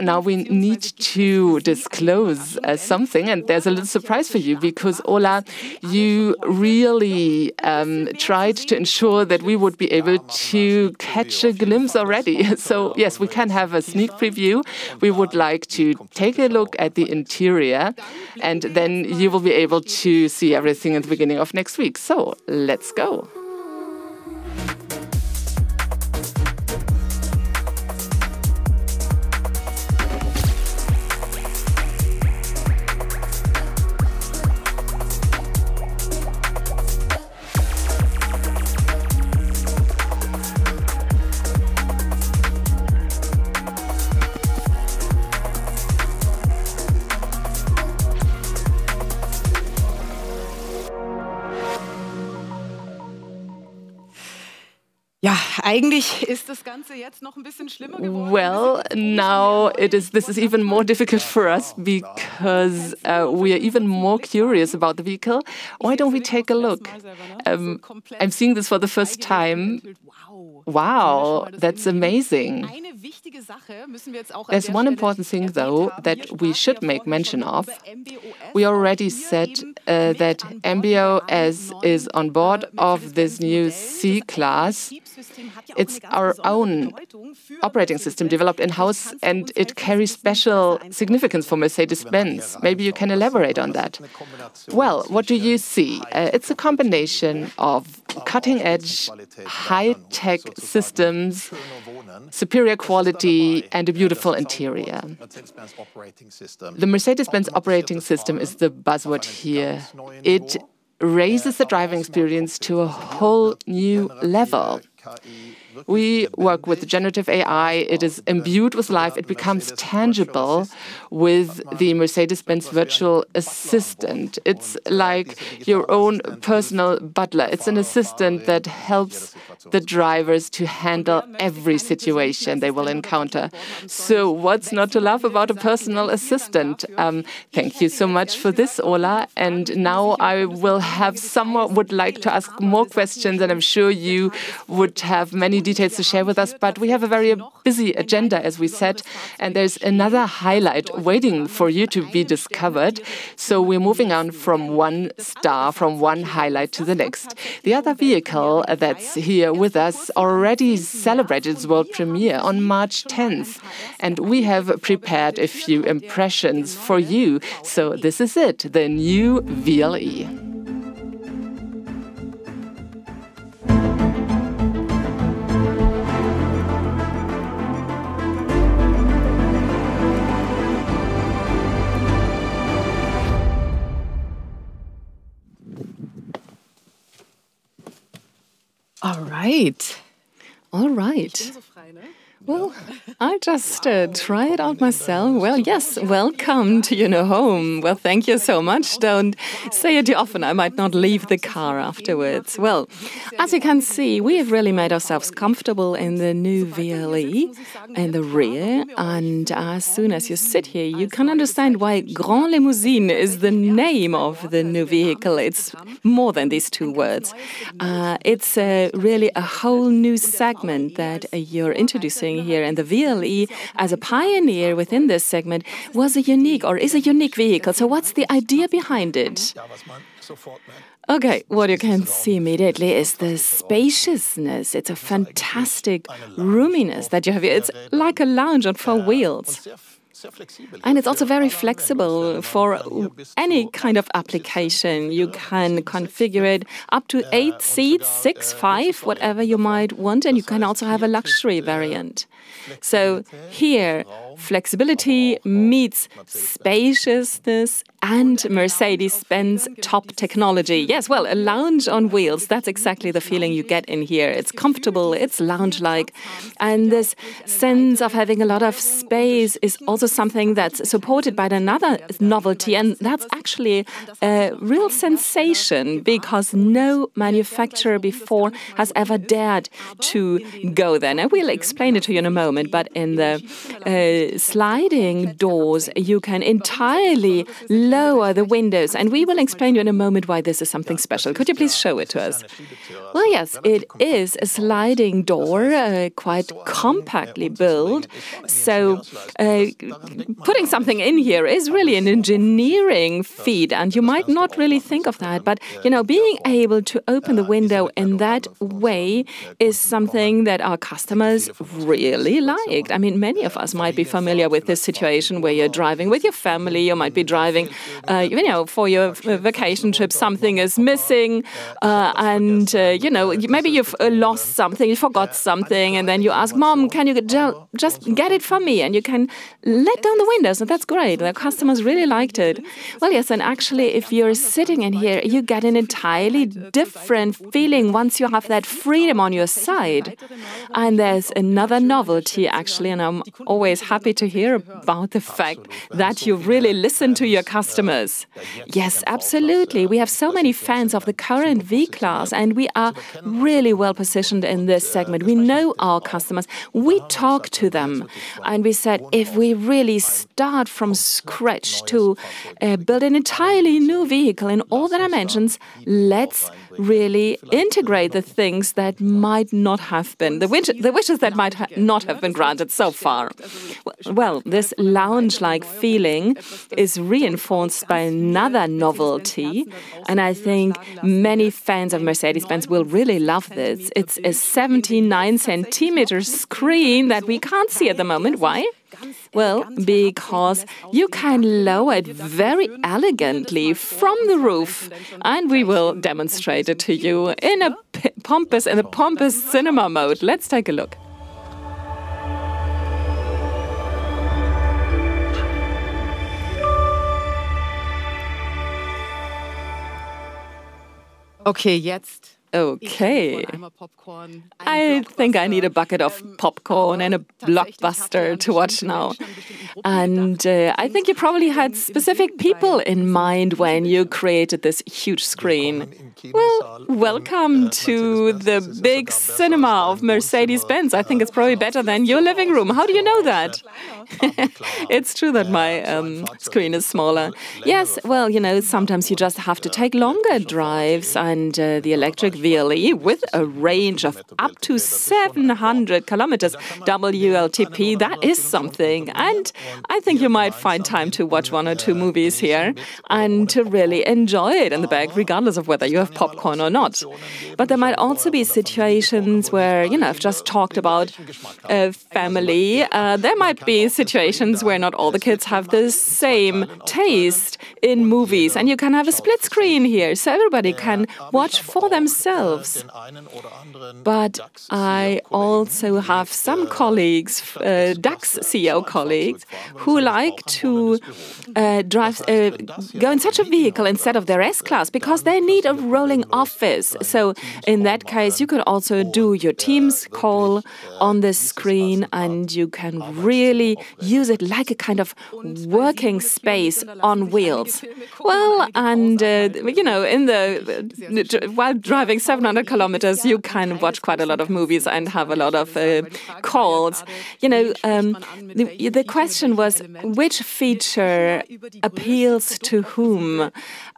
Now we need to disclose something, and there's a little surprise for you because Ola, you really tried to ensure that we would be able to catch a glimpse already. Yes, we can have a sneak preview. We would like to take a look at the interior, and then you will be able to see everything at the beginning of next week. Let's go. Well, now this is even more difficult for us because we are even more curious about the vehicle. Why don't we take a look? I'm seeing this for the first time. Wow, that's amazing. There's one important thing, though, that we should make mention of. We already said that MB.OS is on board of this new C-Class. It's our own operating system developed in-house, and it carries special significance for Mercedes-Benz. Maybe you can elaborate on that. Well, what do you see? It's a combination of cutting-edge, high-tech systems, superior quality, and a beautiful interior. The Mercedes-Benz operating system is the buzzword here. It raises the driving experience to a whole new level. We work with generative AI. It is imbued with life. It becomes tangible with the Mercedes-Benz virtual assistant. It's like your own personal butler. It's an assistant that helps the drivers to handle every situation they will encounter. What's not to love about a personal assistant? Thank you so much for this, Ola. Now I would like to ask more questions, and I'm sure you would have many details to share with us, but we have a very busy agenda, as we said, and there's another highlight waiting for you to be discovered. We're moving on from one star, from one highlight to the next. The other vehicle that's here with us already celebrated its world premiere on March 10th, and we have prepared a few impressions for you. This is it, the new VLE. All right. Well, I'll just try it out myself. Well, yes. Welcome to your new home. Well, thank you so much. Don't say it too often. I might not leave the car afterwards. Well, as you can see, we have really made ourselves comfortable in the new VLE in the rear. As soon as you sit here, you can understand why Grand Limousine is the name of the new vehicle. It's more than these two words. It's really a whole new segment that you're introducing here. The VLE, as a pioneer within this segment, is a unique vehicle. What's the idea behind it? Okay, what you can see immediately is the spaciousness. It's a fantastic roominess that you have here. It's like a lounge on four wheels, and it's also very flexible for any kind of application. You can configure it up to 8 seats, 6, 5, whatever you might want, and you can also have a luxury variant. Here, flexibility meets spaciousness and Mercedes-Benz top technology. Yes, well, a lounge on wheels. That's exactly the feeling you get in here. It's comfortable, it's lounge-like. This sense of having a lot of space is also something that's supported by another novelty, and that's actually a real sensation because no manufacturer before has ever dared to go there. Now, we'll explain it to you in a moment, but in the sliding doors, you can entirely lower the windows, and we will explain to you in a moment why this is something special. Could you please show it to us? Well, yes. It is a sliding door, quite compactly built. Putting something in here is really an engineering feat, and you might not really think of that, but being able to open the window in that way is something that our customers really like. I mean, many of us might be familiar with this situation where you're driving with your family, you might be driving for your vacation trip, something is missing, and maybe you've lost something, you forgot something, and then you ask, "Mom, can you just get it for me?" You can let down the windows, and that's great. The customers really liked it. Well, yes. Actually, if you're sitting in here, you get an entirely different feeling once you have that freedom on your side. There's another novelty, actually, and I'm always happy to hear about the fact that you really listen to your customers. Yes, absolutely. We have so many fans of the current V-Class, and we are really well-positioned in this segment. We know our customers, we talk to them, and we said, if we really start from scratch to build an entirely new vehicle in all dimensions, let's really integrate the things that might not have been, the wishes that might not have been granted so far. Well, this lounge-like feeling is reinforced by another novelty, and I think many fans of Mercedes-Benz will really love this. It's a 79-centimeter screen that we can't see at the moment. Why? Well, because you can lower it very elegantly from the roof, and we will demonstrate it to you in a pompous cinema mode. Let's take a look. Okay, I think I need a bucket of popcorn and a blockbuster to watch now. I think you probably had specific people in mind when you created this huge screen. Well, welcome to the big cinema of Mercedes-Benz. I think it's probably better than your living room. How do you know that? It's true that my screen is smaller. Yes. Well, sometimes you just have to take longer drives, and the electric VLE, with a range of up to 700 km WLTP, that is something. I think you might find time to watch one or two movies here and to really enjoy it in the back, regardless of whether you have popcorn or not. There might also be situations where, I've just talked about a family, there might be situations where not all the kids have the same taste in movies, and you can have a split screen here, so everybody can watch for themselves. I also have some colleagues, DAX CEO colleagues, who like to go in such a vehicle instead of their S-Class because they need a rolling office. In that case, you could also do your Teams call on the screen, and you can really use it like a kind of working space on wheels. Well, while driving 700 km, you can watch quite a lot of movies and have a lot of calls. The question was which feature appeals to whom?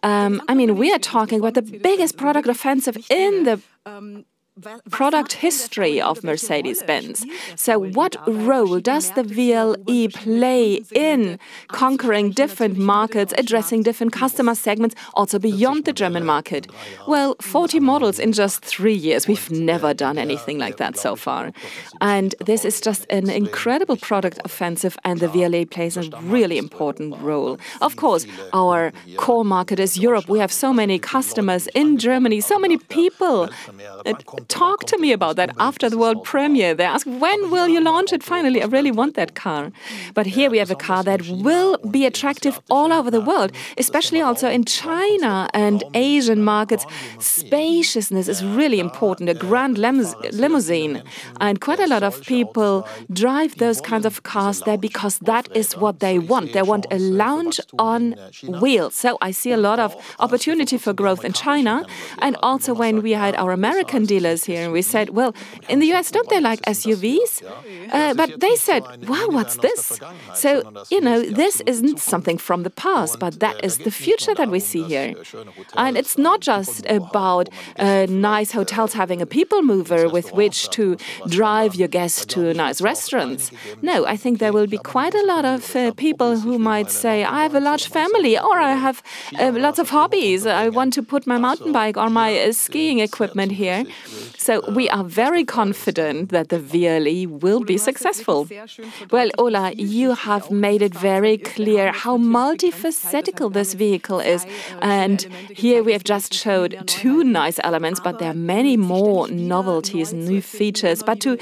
We are talking about the biggest product offensive in the product history of Mercedes-Benz. What role does the VLE play in conquering different markets, addressing different customer segments, also beyond the German market? Well, 40 models in just three years. We've never done anything like that so far. This is just an incredible product offensive, and the VLE plays a really important role. Of course, our core market is Europe. We have so many customers in Germany, so many people talk to me about that after the world premiere. They ask, "When will you launch it finally? I really want that car." Here we have a car that will be attractive all over the world, especially also in China and Asian markets. Spaciousness is really important, a Grand Limousine. Quite a lot of people drive those kinds of cars there because that is what they want. They want a lounge on wheels. I see a lot of opportunity for growth in China. Also when we had our American dealers here and we said, "Well, in the U.S., don't they like SUVs?" They said, "Wow, what's this?" This isn't something from the past, but that is the future that we see here. It's not just about nice hotels having a people mover with which to drive your guests to nice restaurants. No, I think there will be quite a lot of people who might say, "I have a large family," or, "I have lots of hobbies. I want to put my mountain bike or my skiing equipment here." We are very confident that the VLE will be successful. Well, Ola, you have made it very clear how multifaceted this vehicle is, and here we have just showed two nice elements, but there are many more novelties and new features. To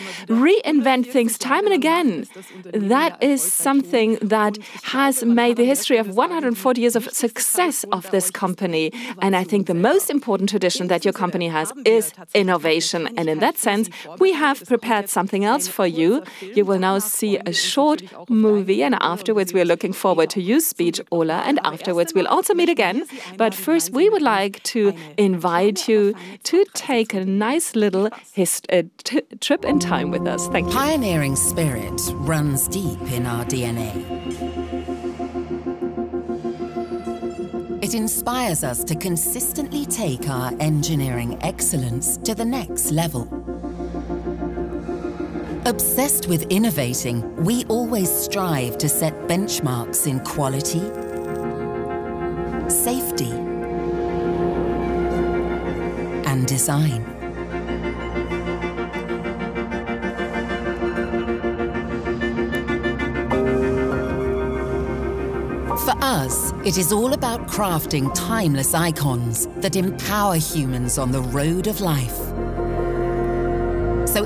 reinvent things time and again, that is something that has made the history of 140 years of success of this company, and I think the most important tradition that your company has is innovation. In that sense, we have prepared something else for you. You will now see a short movie, and afterwards we are looking forward to your speech, Ola, and afterwards we'll also meet again. First, we would like to invite you to take a nice little trip in time with us. Thank you. Pioneering spirit runs deep in our DNA. It inspires us to consistently take our engineering excellence to the next level. Obsessed with innovating, we always strive to set benchmarks in quality, safety, and design. For us, it is all about crafting timeless icons that empower humans on the road of life.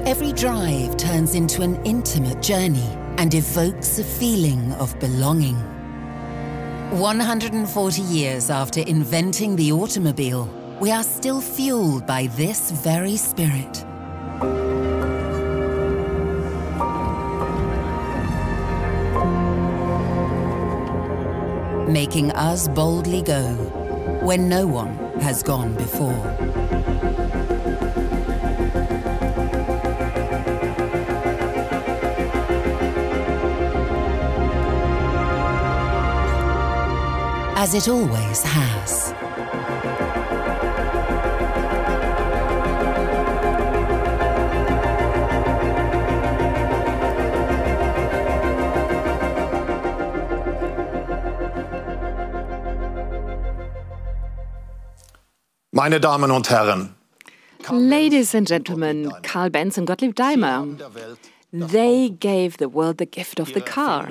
Every drive turns into an intimate journey and evokes a feeling of belonging. 140 years after inventing the automobile, we are still fueled by this very spirit. Making us boldly go where no one has gone before. As it always has. Ladies and gentlemen, Carl Benz and Gottlieb Daimler, they gave the world the gift of the car.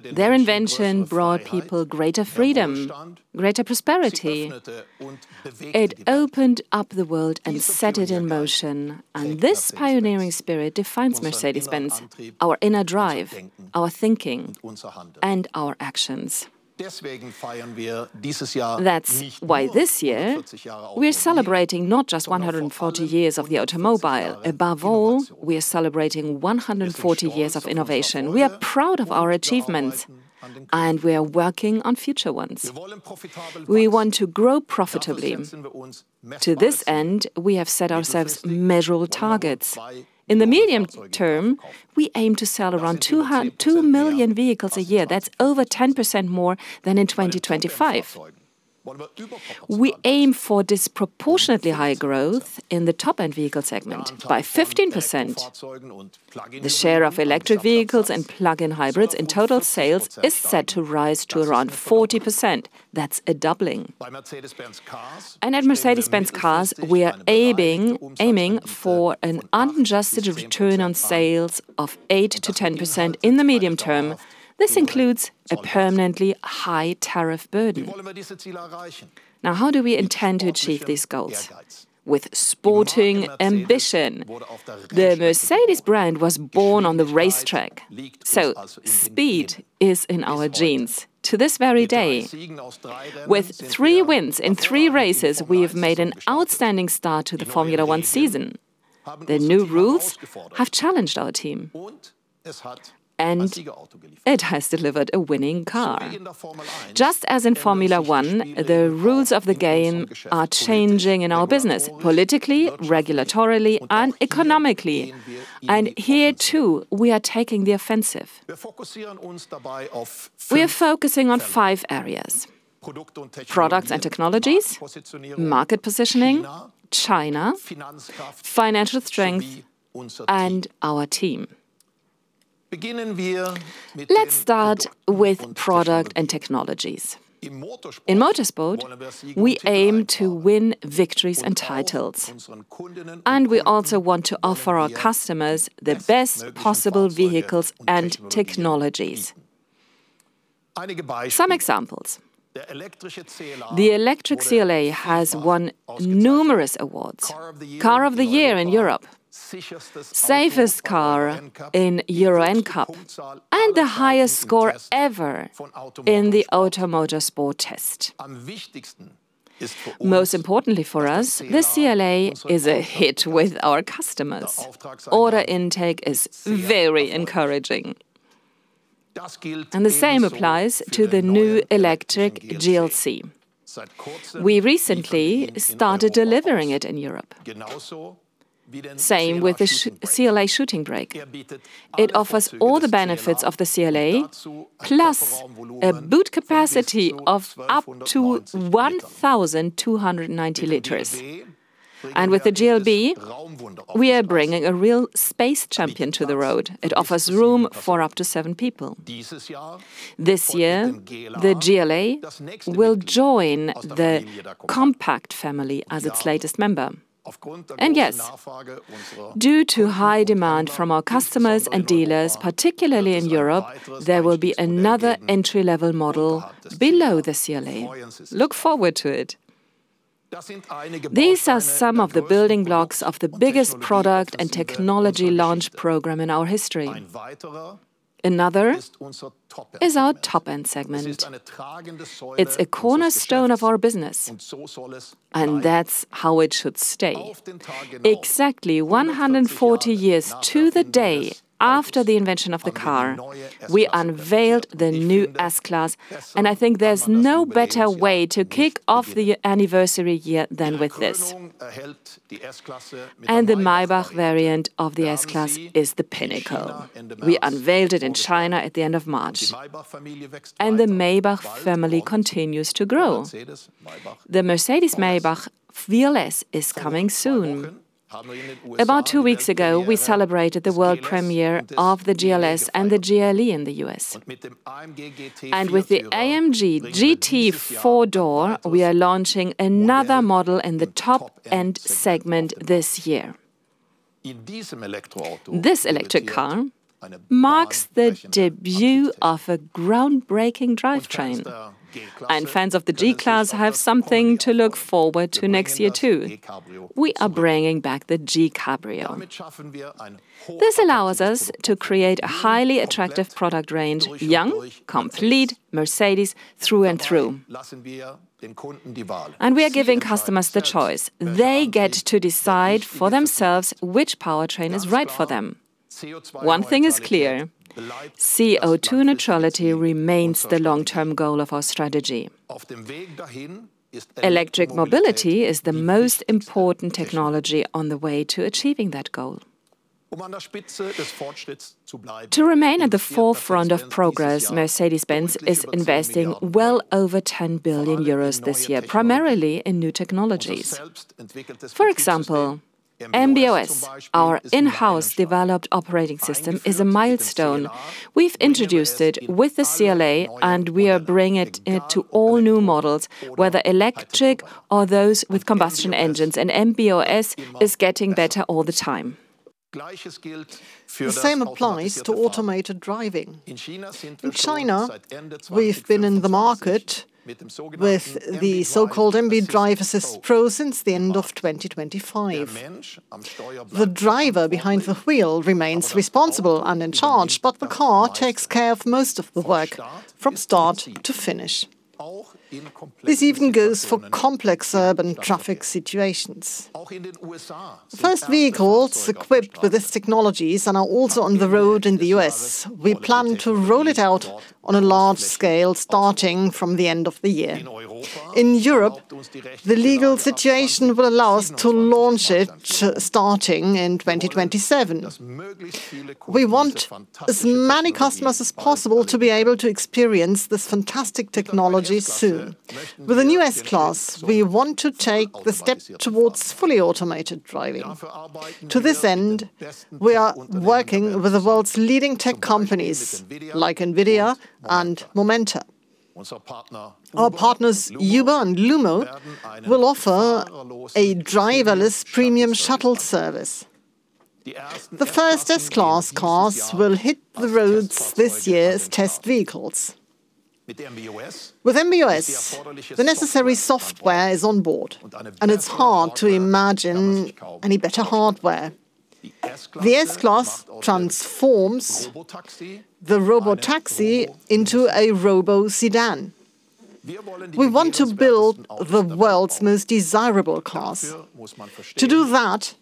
Their invention brought people greater freedom, greater prosperity. It opened up the world and set it in motion, and this pioneering spirit defines Mercedes-Benz, our inner drive, our thinking, and our actions. That's why this year, we're celebrating not just 140 years of the automobile. Above all, we are celebrating 140 years of innovation. We are proud of our achievements, and we are working on future ones. We want to grow profitably. To this end, we have set ourselves measurable targets. In the medium term, we aim to sell around 2 million vehicles a year. That's over 10% more than in 2025. We aim for disproportionately high growth in the top-end vehicle segment by 15%. The share of electric vehicles and plug-in hybrids in total sales is set to rise to around 40%. That's a doubling. At Mercedes-Benz cars, we are aiming for an adjusted return on sales of 8%-10% in the medium term. This includes a permanently high tariff burden. Now, how do we intend to achieve these goals? With sporting ambition. The Mercedes brand was born on the racetrack, so speed is in our genes to this very day. With three wins in three races, we have made an outstanding start to the Formula One season. The new rules have challenged our team, and it has delivered a winning car. Just as in Formula One, the rules of the game are changing in our business, politically, regulatorily, and economically. Here, too, we are taking the offensive. We are focusing on five areas: products and technologies, market positioning, China, financial strength, and our team. Let's start with product and technologies. In motorsport, we aim to win victories and titles, and we also want to offer our customers the best possible vehicles and technologies. Some examples. The electric CLA has won numerous awards. Car of the Year in Europe, safest car in Euro NCAP, and the highest score ever in the auto motor und sport test. Most importantly for us, the CLA is a hit with our customers. Order intake is very encouraging. The same applies to the new electric GLC. We recently started delivering it in Europe. Same with the CLA Shooting Brake. It offers all the benefits of the CLA, plus a boot capacity of up to 1,290 liters. With the GLB, we are bringing a real space champion to the road. It offers room for up to seven people. This year, the GLA will join the compact family as its latest member. Yes, due to high demand from our customers and dealers, particularly in Europe, there will be another entry-level model below the CLA. Look forward to it. These are some of the building blocks of the biggest product and technology launch program in our history. Another is our top-end segment. It's a cornerstone of our business, and that's how it should stay. Exactly 140 years to the day after the invention of the car, we unveiled the new S-Class, and I think there's no better way to kick off the anniversary year than with this. The Maybach variant of the S-Class is the pinnacle. We unveiled it in China at the end of March. The Maybach family continues to grow. The Mercedes-Maybach VLS is coming soon. About 2 weeks ago, we celebrated the world premiere of the GLS and the GLE in the U.S. With the AMG GT 4-Door, we are launching another model in the top-end segment this year. This electric car marks the debut of a groundbreaking drivetrain, and fans of the G-Class have something to look forward to next year, too. We are bringing back the G Cabrio. This allows us to create a highly attractive product range, young, complete, Mercedes through and through. We are giving customers the choice. They get to decide for themselves which powertrain is right for them. One thing is clear: CO₂ neutrality remains the long-term goal of our strategy. Electric mobility is the most important technology on the way to achieving that goal. To remain at the forefront of progress, Mercedes-Benz is investing well over 10 billion euros this year, primarily in new technologies. For example, MB.OS, our in-house developed operating system, is a milestone. We've introduced it with the CLA, and we are bringing it to all new models, whether electric or those with combustion engines, and MB.OS is getting better all the time. The same applies to automated driving. In China, we've been in the market with the so-called MB.DRIVE Assist Pro since the end of 2025. The driver behind the wheel remains responsible and in charge, but the car takes care of most of the work from start to finish. This even goes for complex urban traffic situations. First vehicles equipped with these technologies are now also on the road in the U.S. We plan to roll it out on a large scale, starting from the end of the year. In Europe, the legal situation will allow us to launch it starting in 2027. We want as many customers as possible to be able to experience this fantastic technology soon. With the new S-Class, we want to take the step towards fully automated driving. To this end, we are working with the world's leading tech companies like NVIDIA and Momenta. Our partners Uber and LUMO will offer a driverless premium shuttle service. The first S-Class cars will hit the roads this year as test vehicles. With MB.OS, the necessary software is on board, and it's hard to imagine any better hardware. The S-Class transforms the robotaxi into a robo-sedan. We want to build the world's most desirable cars. To do that,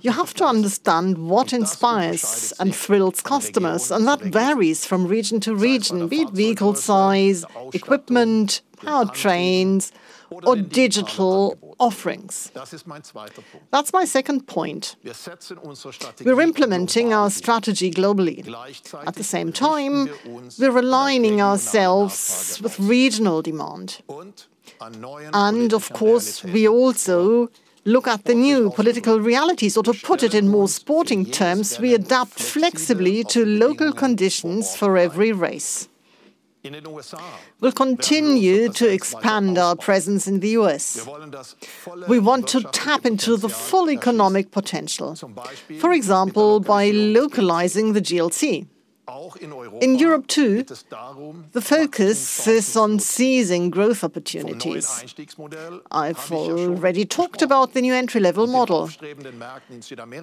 you have to understand what inspires and thrills customers, and that varies from region to region. Be it vehicle size, equipment, powertrains, or digital offerings. That's my second point. We're implementing our strategy globally. At the same time, we're aligning ourselves with regional demand. Of course, we also look at the new political realities, or to put it in more sporting terms, we adapt flexibly to local conditions for every race. We'll continue to expand our presence in the U.S. We want to tap into the full economic potential, for example, by localizing the GLC. In Europe, too, the focus is on seizing growth opportunities. I've already talked about the new entry-level model,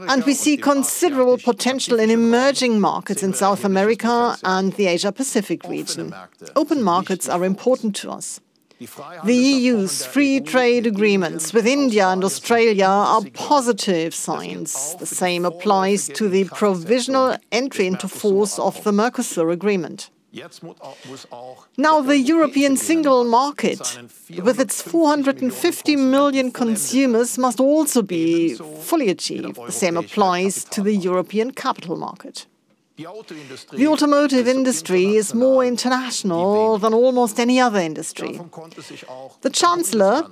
and we see considerable potential in emerging markets in South America and the Asia Pacific region. Open markets are important to us. The EU's free trade agreements with India and Australia are positive signs. The same applies to the provisional entry into force of the Mercosur agreement. Now the European Single Market, with its 450 million consumers, must also be fully achieved. The same applies to the European capital market. The automotive industry is more international than almost any other industry. The chancellor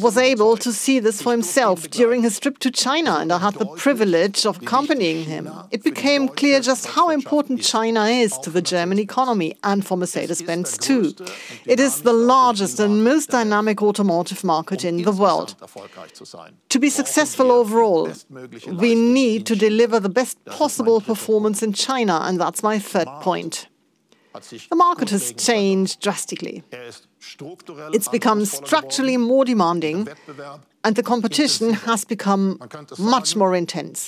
was able to see this for himself during his trip to China, and I had the privilege of accompanying him. It became clear just how important China is to the German economy and for Mercedes-Benz, too. It is the largest and most dynamic automotive market in the world. To be successful overall, we need to deliver the best possible performance in China, and that's my third point. The market has changed drastically. It's become structurally more demanding, and the competition has become much more intense.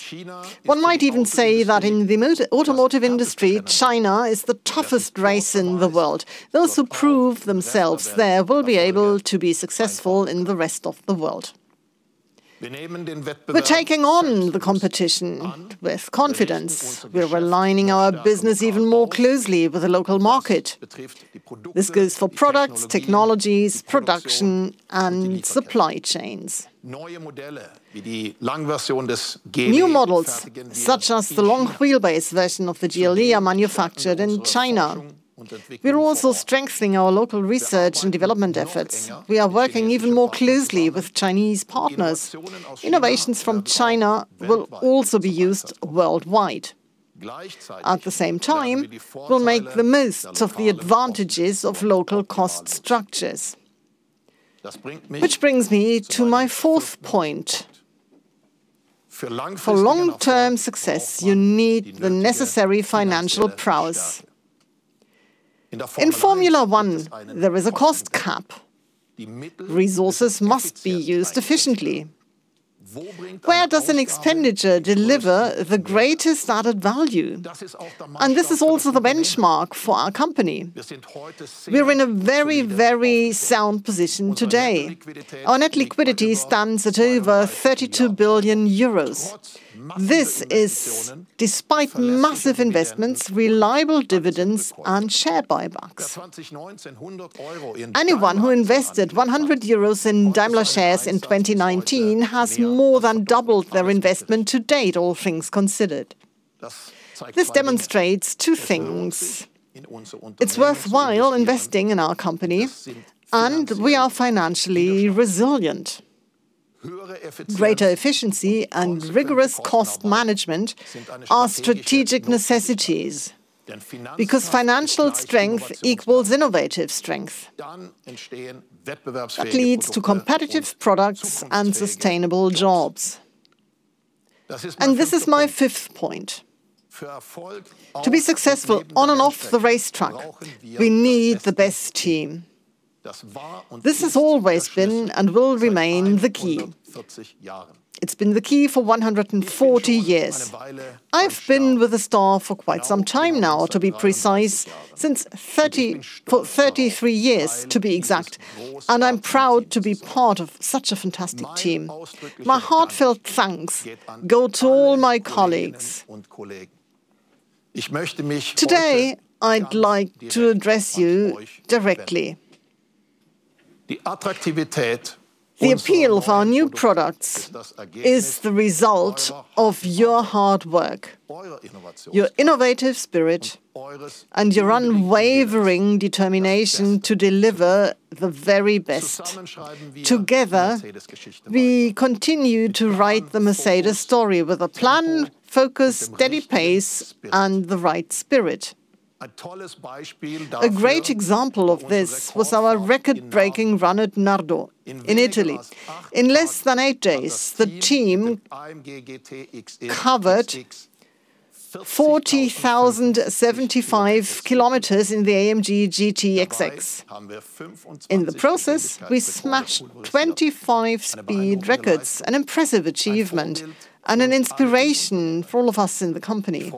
One might even say that in the automotive industry, China is the toughest race in the world. Those who prove themselves there will be able to be successful in the rest of the world. We're taking on the competition with confidence. We're aligning our business even more closely with the local market. This goes for products, technologies, production, and supply chains. New models, such as the long-wheelbase version of the GLE, are manufactured in China. We are also strengthening our local research and development efforts. We are working even more closely with Chinese partners. Innovations from China will also be used worldwide. At the same time, we'll make the most of the advantages of local cost structures. Which brings me to my fourth point. For long-term success, you need the necessary financial prowess. In Formula One, there is a cost cap. Resources must be used efficiently. Where does an expenditure deliver the greatest added value? This is also the benchmark for our company. We're in a very, very sound position today. Our net liquidity stands at over 32 billion euros. This is despite massive investments, reliable dividends, and share buybacks. Anyone who invested 100 euros in Daimler shares in 2019 has more than doubled their investment to date, all things considered. This demonstrates two things. It's worthwhile investing in our company, and we are financially resilient. Greater efficiency and rigorous cost management are strategic necessities because financial strength equals innovative strength. That leads to competitive products and sustainable jobs. This is my fifth point. To be successful on and off the racetrack, we need the best team. This has always been and will remain the key. It's been the key for 140 years. I've been with the star for quite some time now, to be precise, for 33 years, to be exact, and I'm proud to be part of such a fantastic team. My heartfelt thanks go to all my colleagues. Today, I'd like to address you directly. The appeal of our new products is the result of your hard work, your innovative spirit, and your unwavering determination to deliver the very best. Together, we continue to write the Mercedes story with a plan, focus, steady pace, and the right spirit. A great example of this was our record-breaking run at Nardò in Italy. In less than eight days, the team covered 40,075 kms in the AMG GT XX. In the process, we smashed 25 speed records, an impressive achievement and an inspiration for all of us in the company.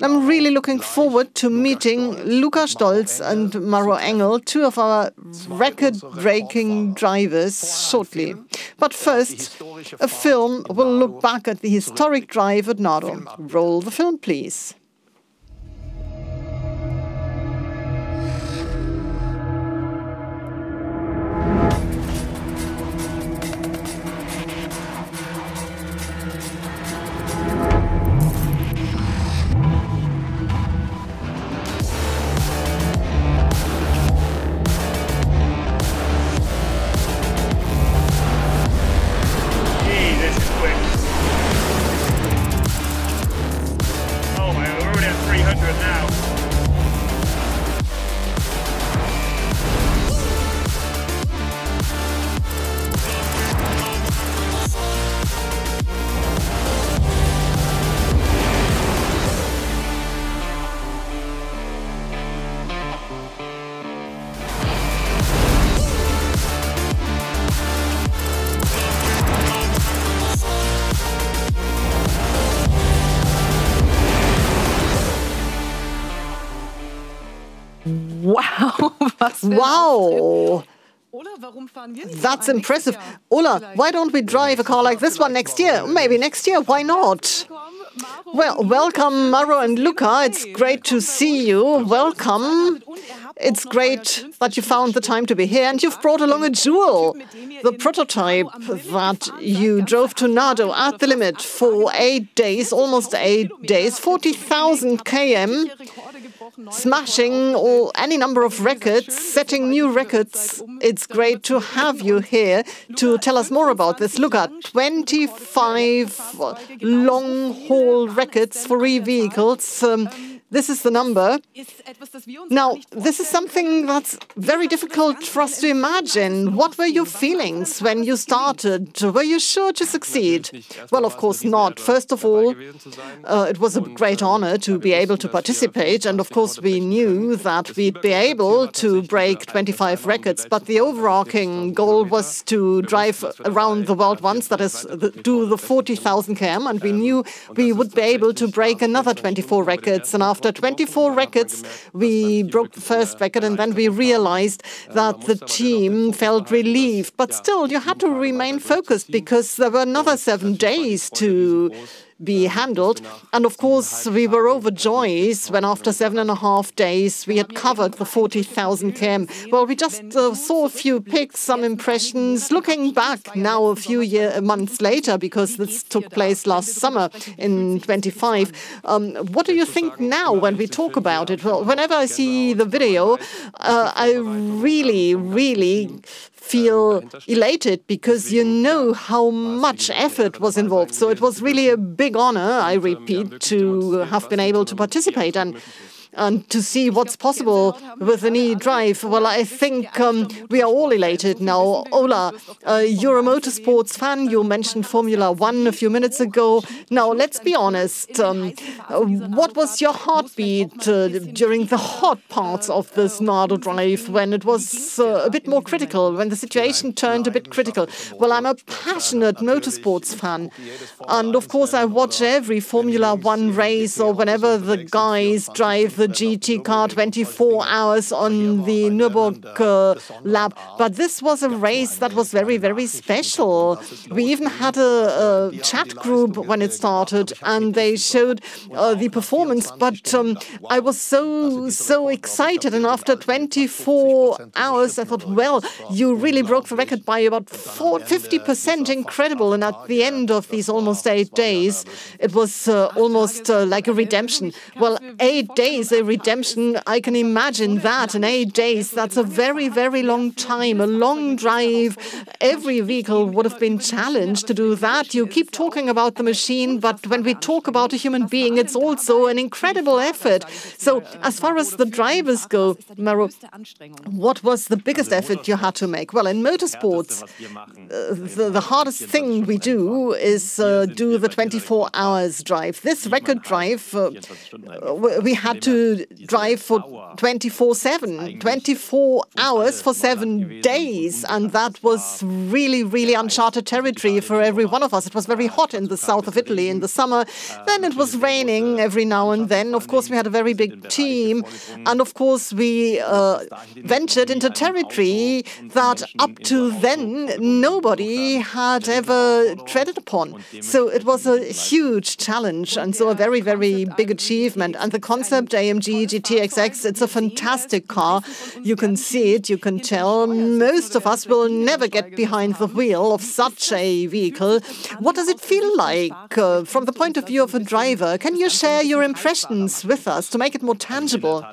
I'm really looking forward to meeting Luca Stolz and Maro Engel, two of our record-breaking drivers, shortly. First, a film will look back at the historic drive at Nardò. Roll the film, please. Gee, this is quick. Oh, man, we're already at 300 now. Wow. Wow. That's impressive. Ola, why don't we drive a car like this one next year? Maybe next year. Why not? Well, welcome, Maro and Luca. It's great to see you. Welcome. It's great that you found the time to be here, and you've brought along a jewel. The prototype that you drove to Nardò at the limit for 8 days, almost 8 days, 40,000 km, smashing any number of records, setting new records. It's great to have you here to tell us more about this. Luca, 25 long-haul records, three vehicles. This is the number. Now, this is something that's very difficult for us to imagine. What were your feelings when you started? Were you sure to succeed? Well, of course not. First of all, it was a great honor to be able to participate. Of course, we knew that we'd be able to break 25 records, but the overarching goal was to drive around the world once, that is, do the 40,000 km. We knew we would be able to break another 24 records. After 24 records, we broke the first record, and then we realized that the team felt relief. Still, you had to remain focused because there were another seven days to be handled. Of course, we were overjoyed when after seven and a half days, we had covered the 40,000 km. Well, we just saw a few pics, some impressions. Looking back now, a few months later, because this took place last summer in 2025, what do you think now when we talk about it? Well, whenever I see the video, I really, really feel elated because you know how much effort was involved. It was really a big honor, I repeat, to have been able to participate and to see what's possible with an E drive. Well, I think we are all elated now. Ola, you're a motorsports fan. You mentioned Formula One a few minutes ago. Now, let's be honest. What was your heartbeat during the hard parts of this Nardò drive when it was a bit more critical, when the situation turned a bit critical? Well, I'm a passionate motorsports fan, and of course, I watch every Formula One race or whenever the guys drive the GT car 24 hours on the Nürburgring. This was a race that was very special. We even had a chat group when it started, and they showed the performance, but I was so excited. After 24 hours, I thought, "Well, you really broke the record by about 450%. Incredible." At the end of these almost eight days, it was almost like a redemption. Well, eight days, a redemption. I can imagine that. Eight days, that's a very long time, a long drive. Every vehicle would have been challenged to do that. You keep talking about the machine, but when we talk about a human being, it's also an incredible effort. As far as the drivers go, Maro, what was the biggest effort you had to make? Well, in motorsports. The hardest thing we do is do the 24 hours drive. This record drive, we had to drive for 24/7, 24 hours for 7 days. That was really uncharted territory for every one of us. It was very hot in the south of Italy in the summer. It was raining every now and then. Of course, we had a very big team, and of course, we ventured into territory that up to then nobody had ever treaded upon. It was a huge challenge and a very big achievement. The Concept AMG GT XX, it's a fantastic car. You can see it. You can tell most of us will never get behind the wheel of such a vehicle. What does it feel like from the point of view of a driver? Can you share your impressions with us to make it more tangible?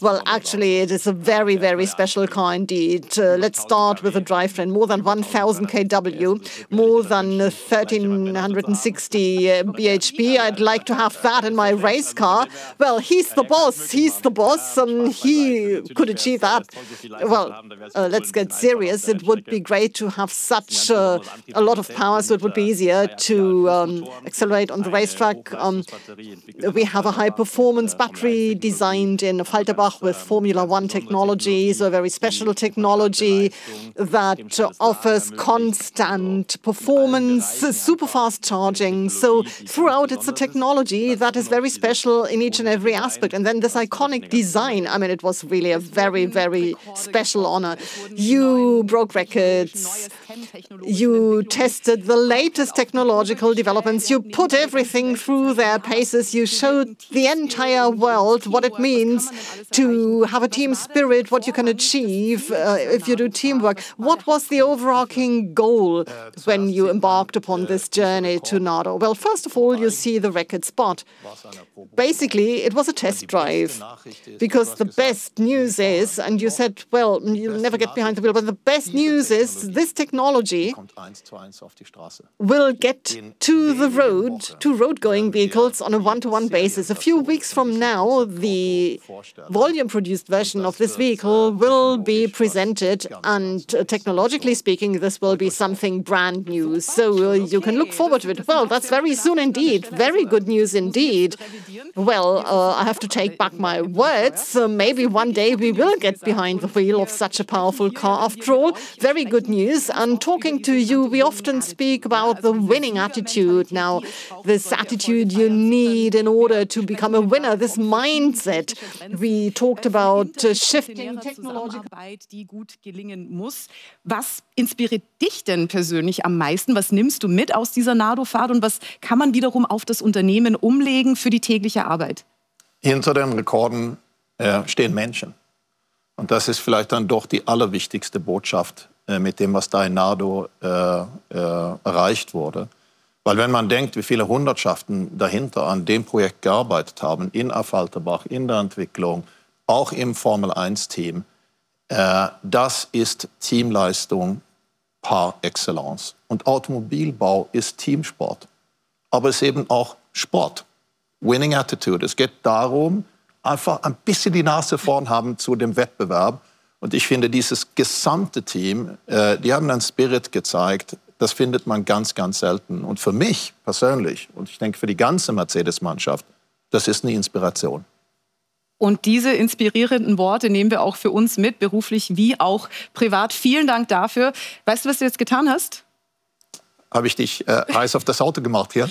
Well, actually, it is a very special car indeed. Let's start with the drivetrain. More than 1,000 kW, more than 1,360 bhp. I'd like to have that in my race car. Well, he's the boss. He's the boss, and he could achieve that. Well, let's get serious. It would be great to have such a lot of power, so it would be easier to accelerate on the racetrack. We have a high-performance battery designed in Affalterbach with Formula One technology, so a very special technology that offers constant performance, super-fast charging. Throughout, it's a technology that is very special in each and every aspect. This iconic design, it was really a very special honor. You broke records. You tested the latest technological developments. You put everything through their paces. You showed the entire world what it means to have a team spirit, what you can achieve if you do teamwork. What was the overarching goal when you embarked upon this journey to Nardò? Well, first of all, you see the record, but basically, it was a test drive because the best news is, and you said, well, you'll never get behind the wheel, but the best news is this technology will get to the road, to road-going vehicles on a one-to-one basis. A few weeks from now, the volume-produced version of this vehicle will be presented, and technologically speaking, this will be something brand new. You can look forward to it. Well, that's very soon indeed. Very good news indeed. Well, I have to take back my words. Maybe one day we will get behind the wheel of such a powerful car after all. Very good news. Talking to you, we often speak about the winning attitude now, this attitude you need in order to become a winner, this mindset. We talked about shifting technological.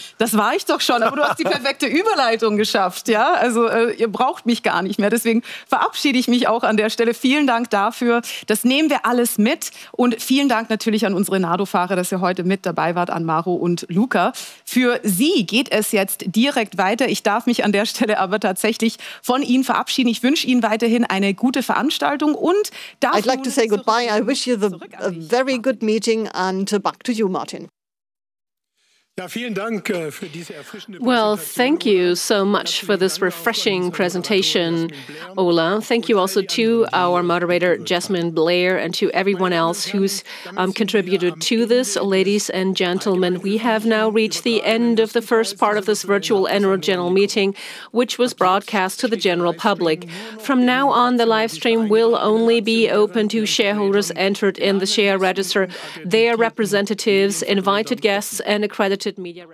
I'd like to say goodbye. I wish you a very good meeting, and back to you, Martin. Well, thank you so much for this refreshing presentation, Ola. Thank you also to our moderator, Yasmin Blair, and to everyone else who's contributed to this. Ladies and gentlemen, we have now reached the end of the first part of this virtual annual general meeting, which was broadcast to the general public. From now on, the live stream will only be open to shareholders entered in the share register, their representatives, invited guests, and accredited media reps.